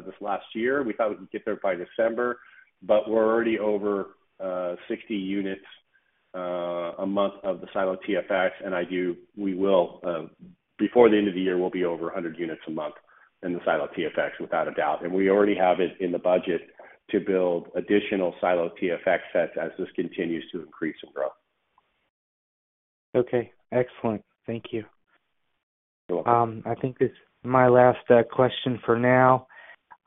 this last year. We thought we'd get there by December, but we're already over 60 units a month of the SiLO TFX, and I do-- we will before the end of the year, we'll be over 100 units a month in the SiLO TFX, without a doubt. We already have it in the budget to build additional SiLO TFX sets as this continues to increase and grow. Okay, excellent. Thank you. You're welcome. I think this is my last question for now.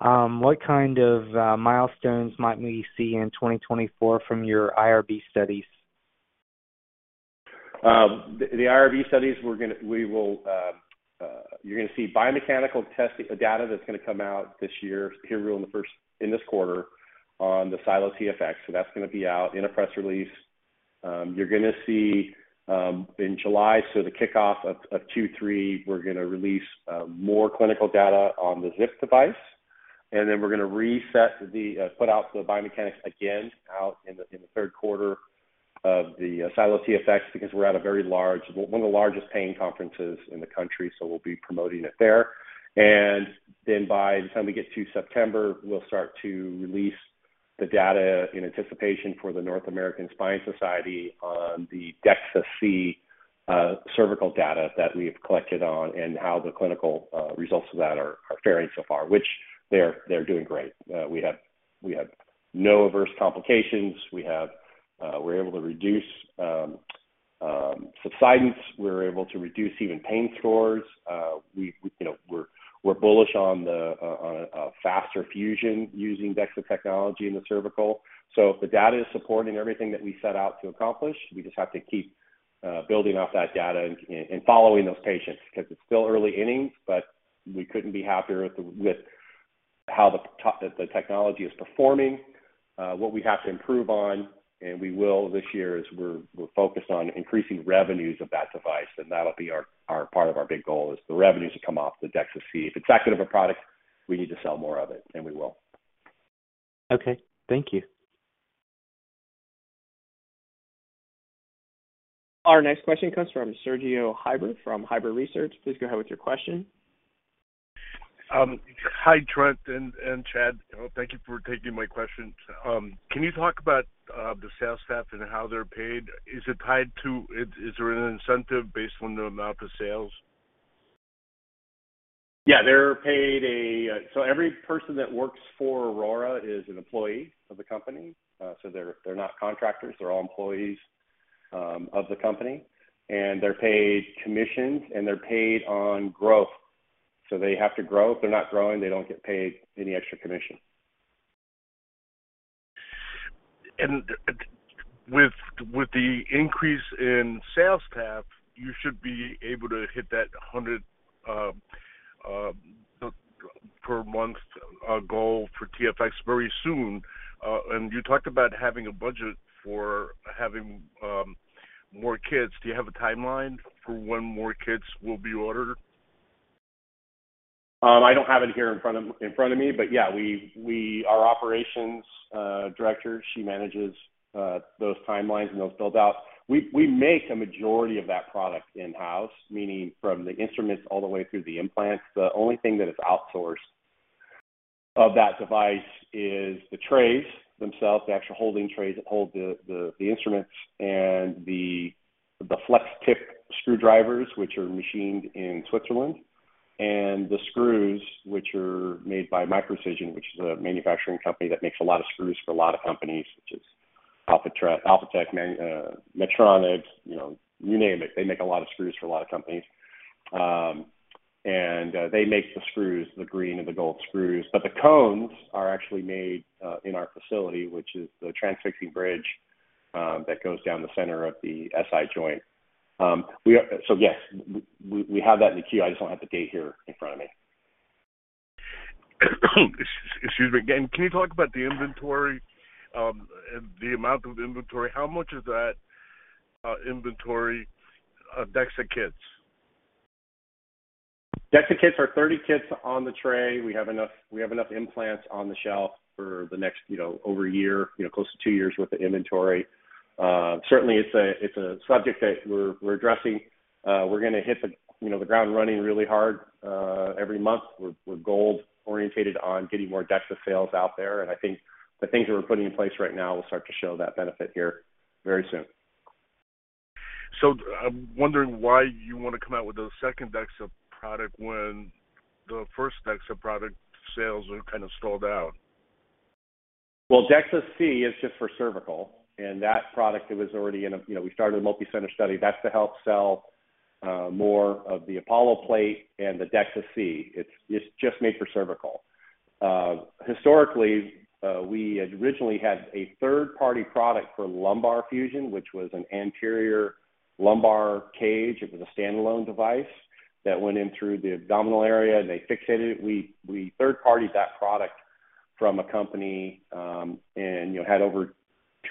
What kind of milestones might we see in 2024 from your IRB studies? The IRB studies, you're gonna see biomechanical testing data that's gonna come out this year, in this quarter on the SiLO TFX. So that's gonna be out in a press release. You're gonna see, in July, so the kickoff of Q2, Q3, we're gonna release more clinical data on the ZIP device, and then we're gonna put out the biomechanics again in the third quarter of the SiLO TFX because we're at a very large one of the largest pain conferences in the country, so we'll be promoting it there. And then by the time we get to September, we'll start to release the data in anticipation for the North American Spine Society on the DEXA-C cervical data that we have collected on and how the clinical results of that are faring so far, which they're doing great. We have, we have no adverse complications. We have, we're able to reduce subsidence. We're able to reduce even pain scores. We, you know, we're bullish on a faster fusion using DEXA technology in the cervical. So the data is supporting everything that we set out to accomplish. We just have to keep building off that data and following those patients because it's still early innings, but we couldn't be happier with how the technology is performing. What we have to improve on, and we will this year, is we're focused on increasing revenues of that device, and that'll be our part of our big goal is the revenues that come off the DEXA-C. If it's that good of a product, we need to sell more of it, and we will. Okay. Thank you. Our next question comes from Sergio Heiber, from Heiber Research. Please go ahead with your question. Hi, Trent and Chad. Thank you for taking my questions. Can you talk about the sales staff and how they're paid? Is there an incentive based on the amount of sales? Yeah, they're paid a. So every person that works for Aurora is an employee of the company. So they're, they're not contractors, they're all employees of the company, and they're paid commissions, and they're paid on growth. So they have to grow. If they're not growing, they don't get paid any extra commission. And with the increase in sales staff, you should be able to hit that 100 per month goal for TFX very soon. And you talked about having a budget for having more kits. Do you have a timeline for when more kits will be ordered? I don't have it here in front of me, but our operations director, she manages those timelines and those build-outs. We make a majority of that product in-house, meaning from the instruments all the way through the implants. The only thing that is outsourced of that device is the trays themselves, the actual holding trays that hold the instruments and the flex-tip screwdrivers, which are machined in Switzerland, and the screws, which are made by Microcision, which is a manufacturing company that makes a lot of screws for a lot of companies, which is Alphatec, Medtronic, you know, you name it. They make a lot of screws for a lot of companies. And they make the screws, the green and the gold screws. But the cones are actually made in our facility, which is the transfixing bridge that goes down the center of the SI joint. So yes, we have that in the queue. I just don't have the date here in front of me. Excuse me. Can you talk about the inventory, the amount of inventory? How much is that inventory, DEXA kits? DEXA kits are 30 kits on the tray. We have enough, we have enough implants on the shelf for the next, you know, over a year, you know, close to two years' worth of inventory. Certainly, it's a subject that we're addressing. We're gonna hit the, you know, the ground running really hard every month. We're goal-oriented on getting more DEXA sales out there, and I think the things that we're putting in place right now will start to show that benefit here very soon. I'm wondering why you wanna come out with a second DEXA product when the first DEXA product sales are kind of stalled out? Well, DEXA-C is just for cervical, and that product, it was already in—you know, we started a multicenter study. That's to help sell more of the Apollo plate and the DEXA-C. It's, it's just made for cervical. Historically, we had originally had a third-party product for lumbar fusion, which was an anterior lumbar cage. It was a standalone device that went in through the abdominal area, and they fixated it. We, we third-partied that product from a company, and, you know, had over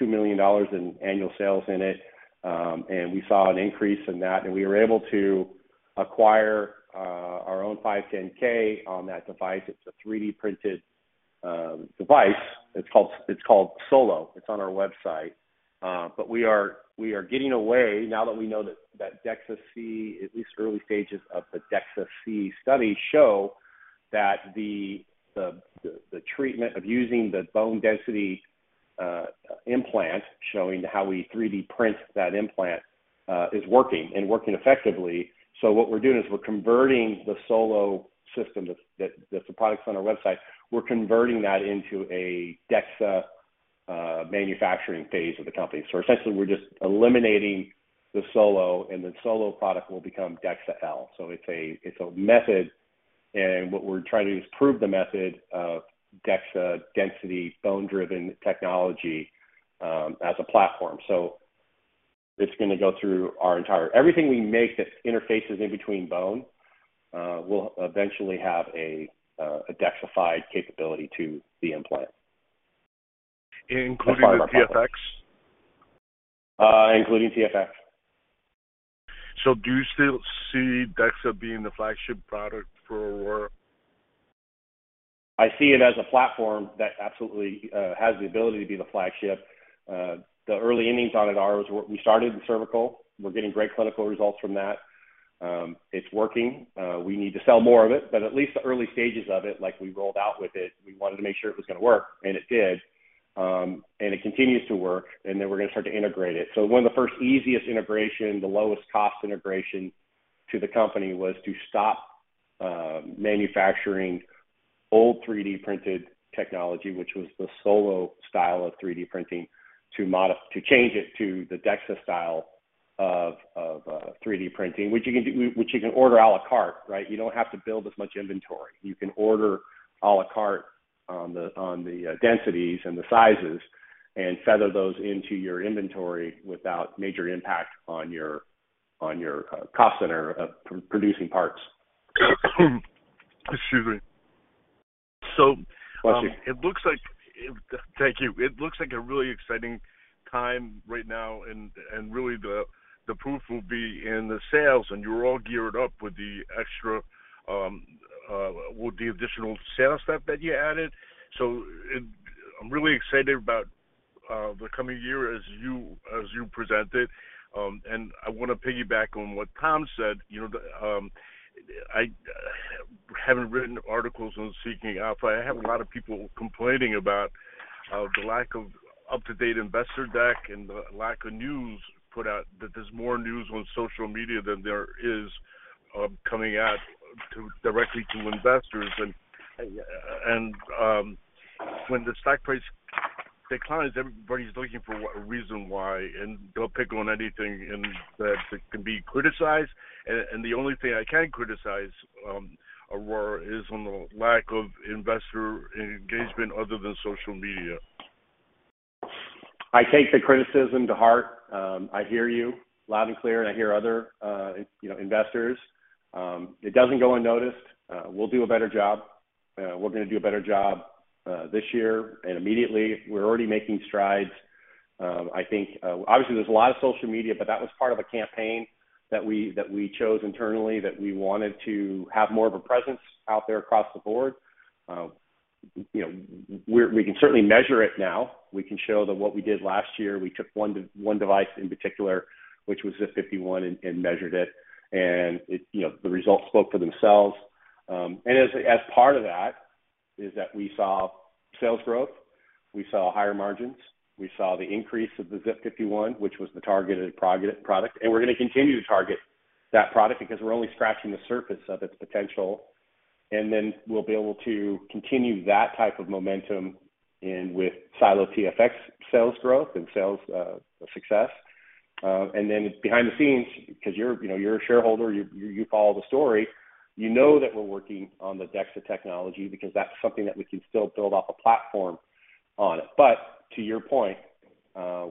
$2 million in annual sales in it. And we saw an increase in that, and we were able to acquire our own 510(k) on that device. It's a 3D printed device. It's called, it's called SOLO. It's on our website. But we are getting away, now that we know that DEXA-C, at least early stages of the DEXA-C study, show that the treatment of using the bone density implant, showing how we 3D print that implant, is working and working effectively. So what we're doing is we're converting the SOLO system, that that's the products on our website. We're converting that into a DEXA manufacturing phase of the company. So essentially, we're just eliminating the SOLO, and the SOLO product will become DEXA-L. So it's a method, and what we're trying to do is prove the method of DEXA density, bone-driven technology, as a platform. So it's gonna go through our entire... Everything we make that interfaces in between bone will eventually have a DEXA-fied capability to the implant. Including TFX? including TFX. Do you still see DEXA being the flagship product for Aurora? I see it as a platform that absolutely has the ability to be the flagship. The early innings on it are, was we started in cervical. We're getting great clinical results from that. It's working. We need to sell more of it, but at least the early stages of it, like, we rolled out with it, we wanted to make sure it was gonna work, and it did. And it continues to work, and then we're gonna start to integrate it. So one of the first easiest integration, the lowest cost integration to the company, was to stop manufacturing old 3D printed technology, which was the Solo style of 3D printing, to change it to the DEXA style of 3D printing, which you can do, which you can order à la carte, right? You don't have to build as much inventory. You can order à la carte on the densities and the sizes and feather those into your inventory without major impact on your cost center of producing parts. Excuse me. So- Bless you. It looks like... Thank you. It looks like a really exciting time right now, and really, the proof will be in the sales, and you're all geared up with the extra, with the additional sales staff that you added. So, I'm really excited about the coming year as you presented. And I wanna piggyback on what Tom said. You know, I haven't written articles on Seeking Alpha. I have a lot of people complaining about the lack of up-to-date investor deck and the lack of news put out, that there's more news on social media than there is coming out directly to investors. And when the stock price declines, everybody's looking for a reason why, and they'll pick on anything that can be criticized. The only thing I can criticize, Aurora, is on the lack of investor engagement other than social media. I take the criticism to heart. I hear you loud and clear, and I hear other, you know, investors. It doesn't go unnoticed. We'll do a better job. We're gonna do a better job, this year and immediately. We're already making strides. I think, obviously there's a lot of social media, but that was part of a campaign that we, that we chose internally, that we wanted to have more of a presence out there across the board. You know, we, we can certainly measure it now. We can show that what we did last year, we took one device in particular, which was the 51, and measured it, and it, you know, the results spoke for themselves. And as part of that is that we saw sales growth, we saw higher margins, we saw the increase of the ZIP 51, which was the targeted product. And we're gonna continue to target that product because we're only scratching the surface of its potential. And then we'll be able to continue that type of momentum in with SiLO TFX sales growth and sales success. And then behind the scenes, because you're, you know, you're a shareholder, you, you follow the story, you know that we're working on the DEXA technology because that's something that we can still build off a platform on. But to your point,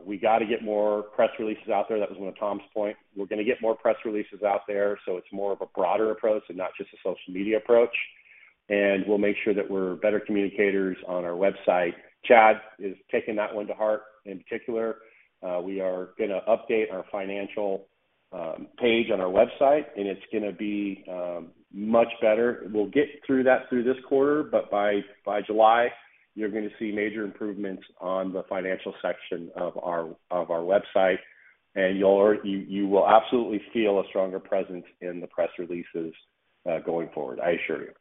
we got to get more press releases out there. That was one of Tom's point. We're gonna get more press releases out there, so it's more of a broader approach and not just a social media approach. And we'll make sure that we're better communicators on our website. Chad has taken that one to heart in particular. We are gonna update our financial page on our website, and it's gonna be much better. We'll get through that through this quarter, but by July, you're gonna see major improvements on the financial section of our website, and you will absolutely feel a stronger presence in the press releases going forward, I assure you....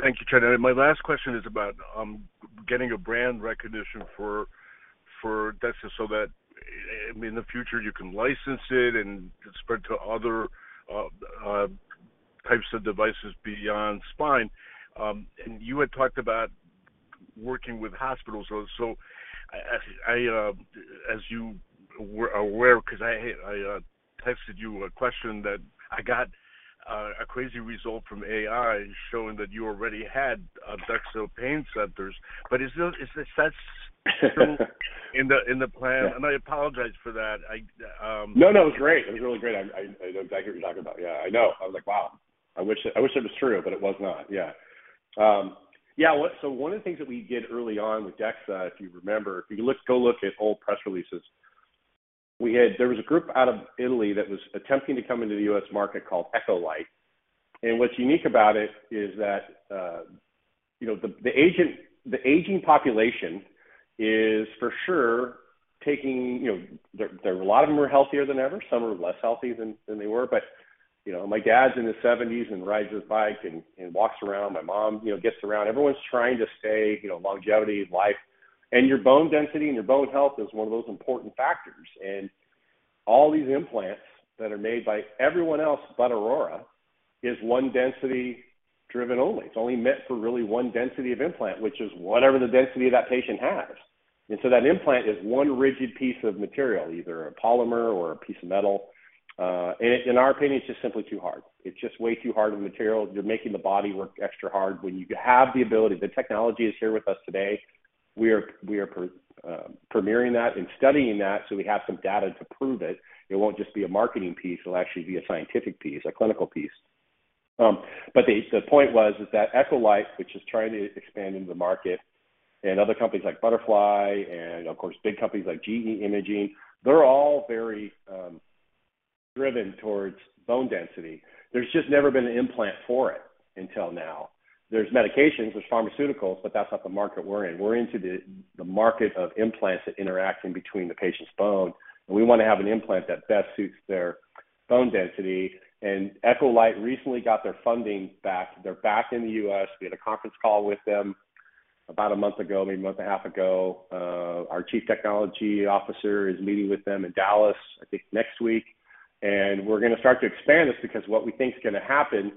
Thank you, Chad. And my last question is about getting a brand recognition for DEXA so that in the future, you can license it and spread to other types of devices beyond spine. And you had talked about working with hospitals also. So I, as you were aware, because I texted you a question that I got a crazy result from AI showing that you already had DEXA Pain Centers, but is that in the plan? And I apologize for that. I No, no, it was great. It was really great. I, I know exactly what you're talking about. Yeah, I know. I was like, wow, I wish, I wish it was true, but it was not. Yeah. Yeah, what— So one of the things that we did early on with DEXA, if you remember, if you look, go look at old press releases. There was a group out of Italy that was attempting to come into the U.S. market called Echolight. And what's unique about it is that, you know, the aging population is for sure taking, you know, there are a lot of them are healthier than ever. Some are less healthy than they were. But, you know, my dad's in his seventies and rides his bike and walks around. My mom, you know, gets around. Everyone's trying to stay, you know, longevity is life, and your bone density and your bone health is one of those important factors. All these implants that are made by everyone else, but Aurora, is one density driven only. It's only meant for really one density of implant, which is whatever the density of that patient has. And so that implant is one rigid piece of material, either a polymer or a piece of metal. In our opinion, it's just simply too hard. It's just way too hard of a material. You're making the body work extra hard when you have the ability, the technology is here with us today. We are premiering that and studying that, so we have some data to prove it. It won't just be a marketing piece, it'll actually be a scientific piece, a clinical piece. But the point was, is that Echolight, which is trying to expand into the market, and other companies like Butterfly and, of course, big companies like GE Imaging, they're all very driven towards bone density. There's just never been an implant for it until now. There's medications, there's pharmaceuticals, but that's not the market we're in. We're into the market of implants that interact in between the patient's bone, and we want to have an implant that best suits their bone density. And Echolight recently got their funding back. They're back in the US. We had a conference call with them about a month ago, maybe a month and a half ago. Our Chief Technology Officer is meeting with them in Dallas, I think, next week. And we're gonna start to expand this because what we think is gonna happen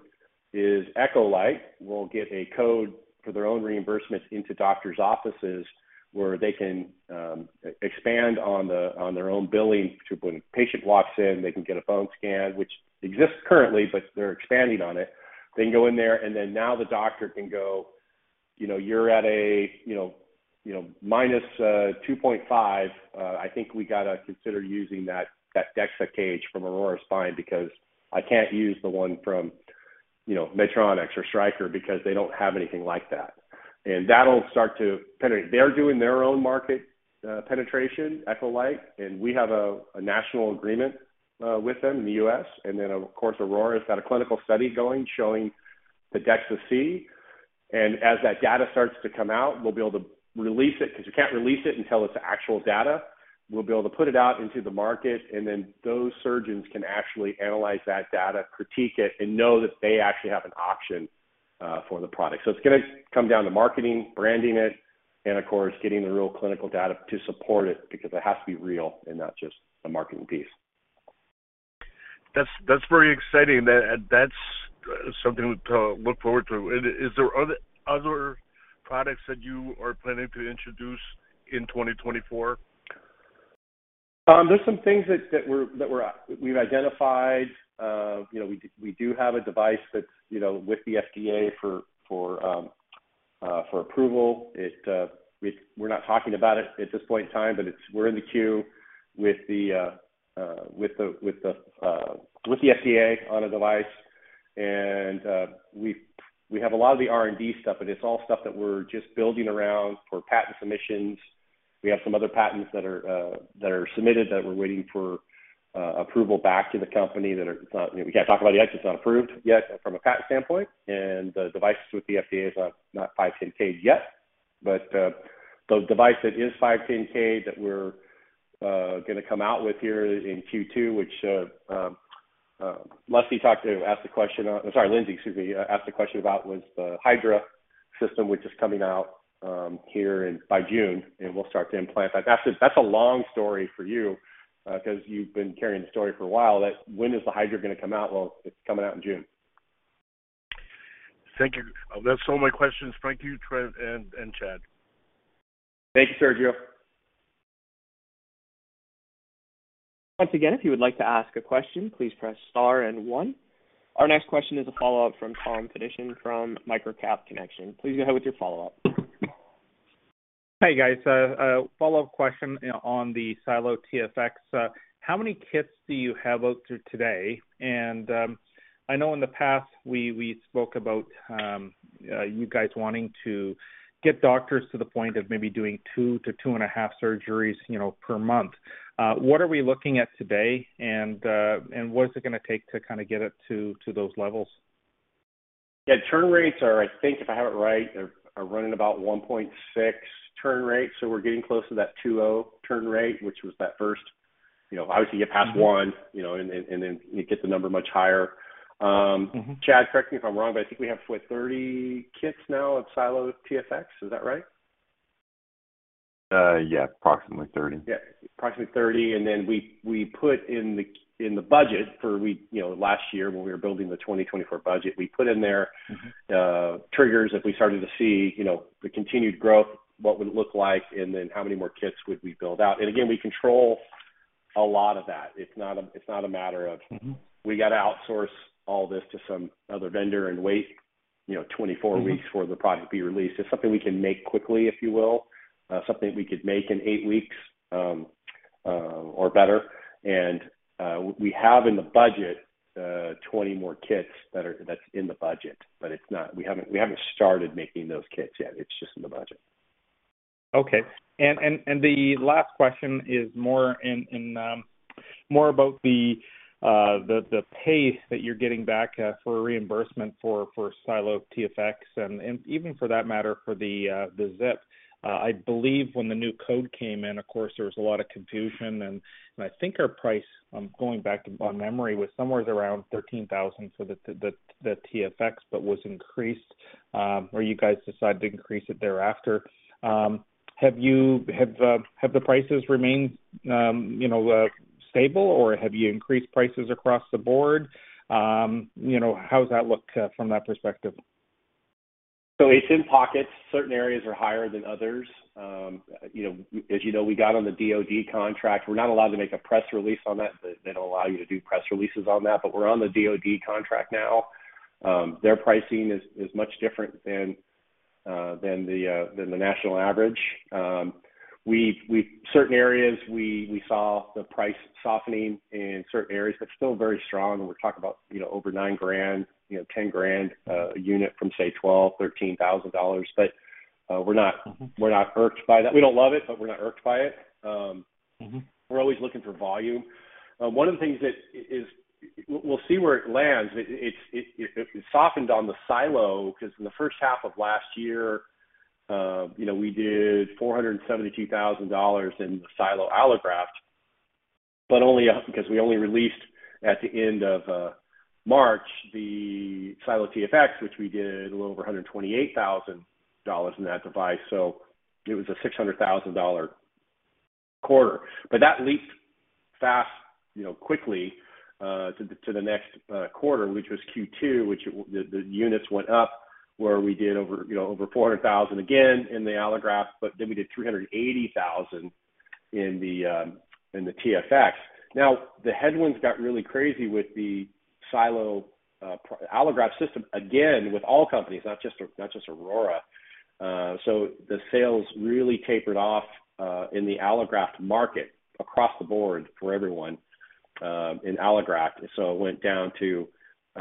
is Echolight will get a code for their own reimbursements into doctor's offices, where they can expand on the, on their own billing. So when a patient walks in, they can get a bone scan, which exists currently, but they're expanding on it. They can go in there, and then now the doctor can go, "You know, you're at a, you know, you know, minus 2.5. I think we got to consider using that, that DEXA cage from Aurora Spine, because I can't use the one from, you know, Medtronic or Stryker, because they don't have anything like that." And that'll start to penetrate. They're doing their own market penetration, Echolight, and we have a national agreement with them in the U.S. And then, of course, Aurora's got a clinical study going, showing the DEXA-C. And as that data starts to come out, we'll be able to release it, because you can't release it until it's actual data. We'll be able to put it out into the market, and then those surgeons can actually analyze that data, critique it, and know that they actually have an option for the product. So it's gonna come down to marketing, branding it, and of course, getting the real clinical data to support it, because it has to be real and not just a marketing piece. That's, that's very exciting, and that's something to look forward to. And is there other, other products that you are planning to introduce in 2024? There's some things that we're, we've identified. You know, we do have a device that's, you know, with the FDA for, for, for approval. It, we're not talking about it at this point in time, but it's - we're in the queue with the, with the, with the FDA on a device. And, we've - we have a lot of the R&D stuff, but it's all stuff that we're just building around for patent submissions. We have some other patents that are, that are submitted, that we're waiting for, approval back to the company that are. We can't talk about it yet, it's not approved yet from a patent standpoint, and the devices with the FDA is, not 510(k) yet. But the device that is 510(k) that we're gonna come out with here in Q2, which Lindsay asked a question about was the HYDRA system, which is coming out here by June, and we'll start to implant. But that's a long story for you because you've been carrying the story for a while, that when is the HYDRA going to come out? Well, it's coming out in June. Thank you. That's all my questions. Thank you, Trent and, and Chad. Thank you, Sergio. Once again, if you would like to ask a question, please press Star and one. Our next question is a follow-up from Tom Fediw from MicroCap Connection. Please go ahead with your follow-up. Hi, guys. A follow-up question on the SiLO TFX. How many kits do you have out there today? And, I know in the past, we spoke about you guys wanting to get doctors to the point of maybe doing 2-2.5 surgeries, you know, per month. What are we looking at today? And, what is it gonna take to kind of get it to those levels? Yeah, turn rates are, I think, if I have it right, are running about 1.6 turn rate, so we're getting close to that 2.0 turn rate, which was that, you know, obviously you pass one, you know, and then it gets the number much higher. Chad, correct me if I'm wrong, but I think we have, what, 30 kits now SiLO TFX, is that right? Yeah, approximately 30. Yeah, approximately 30, and then we put in the budget for we—you know, last year when we were building the 2024 budget, we put in there- triggers, if we started to see, you know, the continued growth, what would it look like, and then how many more kits would we build out? And again, we control a lot of that. It's not a matter of- - we got to outsource all this to some other vendor and wait, you know, 24 weeks-... for the product to be released. It's something we can make quickly, if you will, something we could make in eight weeks, or better. We have in the budget 20 more kits that are-- that's in the budget, but it's not... We haven't started making those kits yet. It's just in the budget. Okay. And the last question is more in more about the pace that you're getting back for reimbursement for SiLO TFX, and even for that matter, for the ZIP. I believe when the new code came in, of course, there was a lot of confusion, and I think our price, I'm going back on memory, was somewhere around $13,000 for the SiLO TFX, but was increased, or you guys decided to increase it thereafter. Have the prices remained, you know, stable, or have you increased prices across the board? You know, how does that look from that perspective? So it's in pockets. Certain areas are higher than others. You know, as you know, we got on the DoD contract. We're not allowed to make a press release on that. They don't allow you to do press releases on that, but we're on the DoD contract now. Their pricing is much different than the national average. Certain areas, we saw the price softening in certain areas, but still very strong, and we're talking about, you know, over $9,000, you know, $10,000 a unit from, say, $12,000-$13,000. But, we're not- We're not irked by that. We don't love it, but we're not irked by it. We're always looking for volume. One of the things that is... We'll see where it lands. It softened on the SiLO, 'cause in the first half of last year, you know, we did $472,000 in the SiLO allograft, but only because we only released at the end of March, the SiLO TFX, which we did a little over $128,000 in that device, so it was a $600,000 quarter. But that leaped fast, you know, quickly, to the next quarter, which was Q2, the units went up, where we did over, you know, over $400,000 again in the allograft, but then we did $380,000 in the TFX. Now, the headwinds got really crazy with the SiLO allograft system, again, with all companies, not just, not just Aurora. So the sales really tapered off in the allograft market across the board for everyone in allograft, so it went down to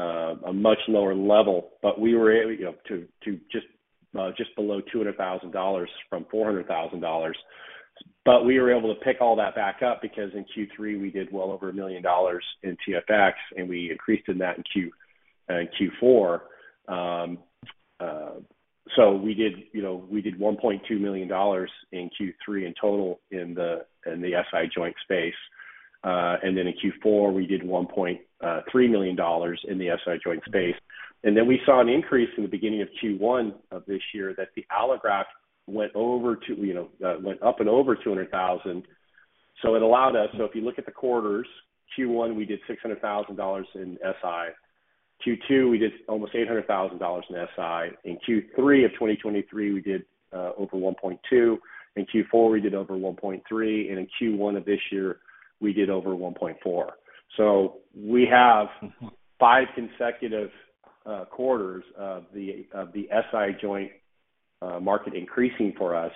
a much lower level, but we were able, you know, to just below $200,000 from $400,000. But we were able to pick all that back up because in Q3 we did well over $1 million in TFX, and we increased in that in Q4. So we did, you know, we did $1.2 million in Q3 in total in the SI joint space. And then in Q4, we did $1.3 million in the SI joint space. And then we saw an increase in the beginning of Q1 of this year that the allograft went over 200,000, you know, went up and over 200,000. So it allowed us, so if you look at the quarters, Q1, we did $600,000 in SI. Q2, we did almost $800,000 in SI. In Q3 of 2023, we did over $1.2 million. In Q4, we did over $1.3 million, and in Q1 of this year, we did over $1.4 million. So we have- five consecutive quarters of the SI joint market increasing for us.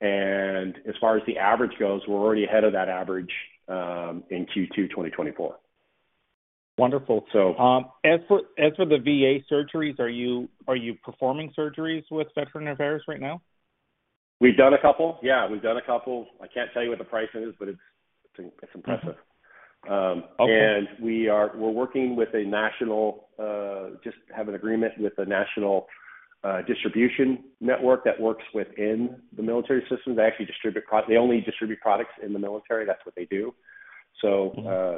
As far as the average goes, we're already ahead of that average in Q2 2024. Wonderful. So- As for the VA surgeries, are you performing surgeries with Veterans Affairs right now? We've done a couple. Yeah, we've done a couple. I can't tell you what the price is, but it's, it's impressive. Mm-hmm. Okay. We're working with a national. Just have an agreement with a national distribution network that works within the military system. They actually distribute. They only distribute products in the military. That's what they do. So-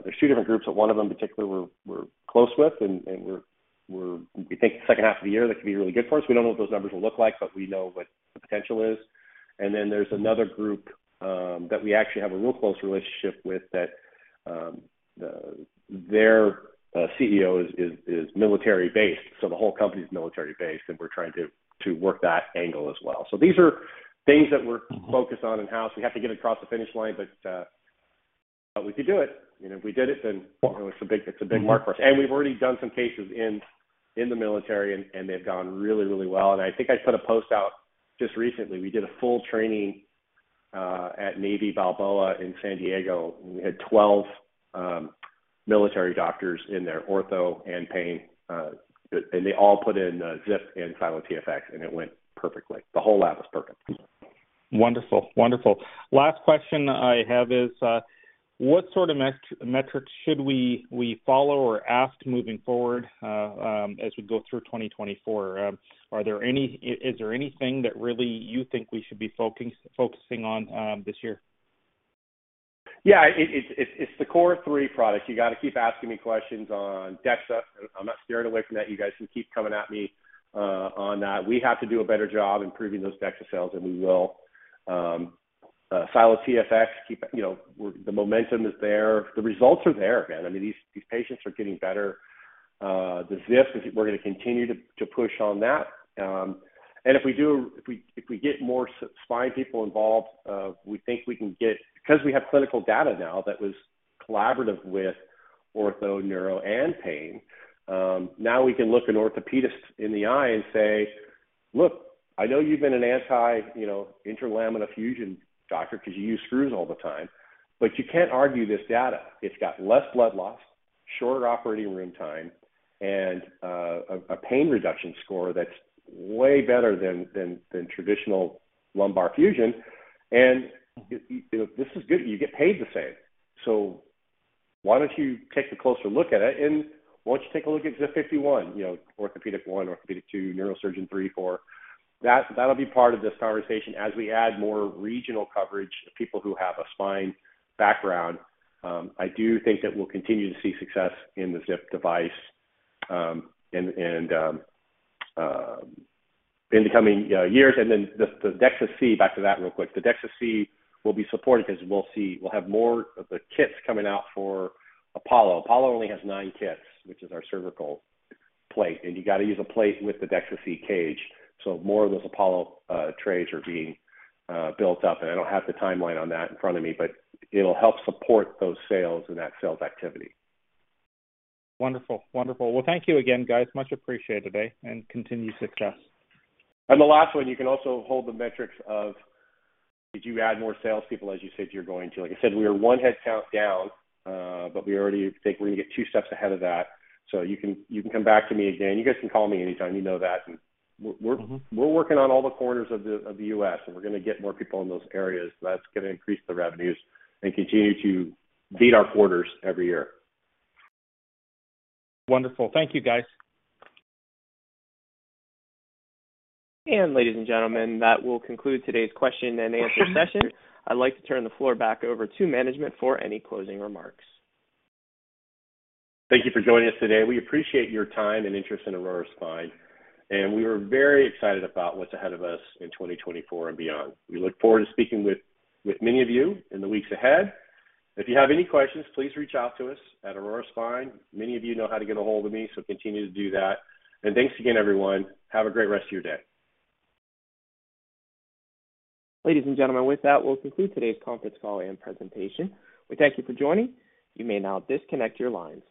There's two different groups, but one of them in particular, we're close with, and we're – we think the second half of the year, that could be really good for us. We don't know what those numbers will look like, but we know what the potential is. And then there's another group that we actually have a real close relationship with that their CEO is military-based, so the whole company is military-based, and we're trying to work that angle as well. So these are things that we're- - focused on in-house. We have to get across the finish line, but, but we could do it. You know, if we did it, then it's a big, it's a big mark for us. We've already done some cases in the military, and they've gone really, really well. And I think I put a post out just recently. We did a full training at Navy Balboa in San Diego, and we had 12 military doctors in there, ortho and pain, and they all put in ZIP SiLO TFX, and it went perfectly. The whole lab was perfect. Wonderful. Wonderful. Last question I have is, what sort of metrics should we follow or ask moving forward, as we go through 2024? Are there any... is there anything that really you think we should be focusing on, this year?... Yeah, it's the core three products. You got to keep asking me questions on DEXA. I'm not steering away from that. You guys can keep coming at me, on that. We have to do a better job improving those DEXA sales, and we will. SiLO TFX, you know, we're the momentum is there, the results are there, man. I mean, these patients are getting better. The ZIP, we're gonna continue to push on that. And if we do, we get more spine people involved, we think we can get... Because we have clinical data now that was collaborative with ortho, neuro, and pain, now we can look an orthopedist in the eye and say, "Look, I know you've been an anti, you know, interlaminar fusion doctor because you use screws all the time, but you can't argue this data. It's got less blood loss, shorter operating room time, and a pain reduction score that's way better than traditional lumbar fusion. And, you know, this is good. You get paid the same. So why don't you take a closer look at it, and why don't you take a look at ZIP 51? You know, orthopedic 1, orthopedic 2, neurosurgeon 3, 4." That'll be part of this conversation. As we add more regional coverage to people who have a spine background, I do think that we'll continue to see success in the ZIP device, and in the coming years. Then the DEXA-C, back to that real quick. The DEXA-C will be supported because we'll see. We'll have more of the kits coming out for Apollo. Apollo only has nine kits, which is our cervical plate, and you got to use a plate with the DEXA-C cage. So more of those Apollo trays are being built up, and I don't have the timeline on that in front of me, but it'll help support those sales and that sales activity. Wonderful. Wonderful. Well, thank you again, guys. Much appreciated today, and continued success. And the last one, you can also hold the metrics of did you add more salespeople, as you said you're going to? Like I said, we are one headcount down, but we already think we're going to get two steps ahead of that. So you can, you can come back to me again. You guys can call me anytime, you know that. And we're- We're working on all the corners of the U.S., and we're going to get more people in those areas. That's going to increase the revenues and continue to beat our quarters every year. Wonderful. Thank you, guys. Ladies and gentlemen, that will conclude today's question-and-answer session. I'd like to turn the floor back over to management for any closing remarks. Thank you for joining us today. We appreciate your time and interest in Aurora Spine, and we are very excited about what's ahead of us in 2024 and beyond. We look forward to speaking with many of you in the weeks ahead. If you have any questions, please reach out to us at Aurora Spine. Many of you know how to get a hold of me, so continue to do that. And thanks again, everyone. Have a great rest of your day. Ladies and gentlemen, with that, we'll conclude today's conference call and presentation. We thank you for joining. You may now disconnect your lines.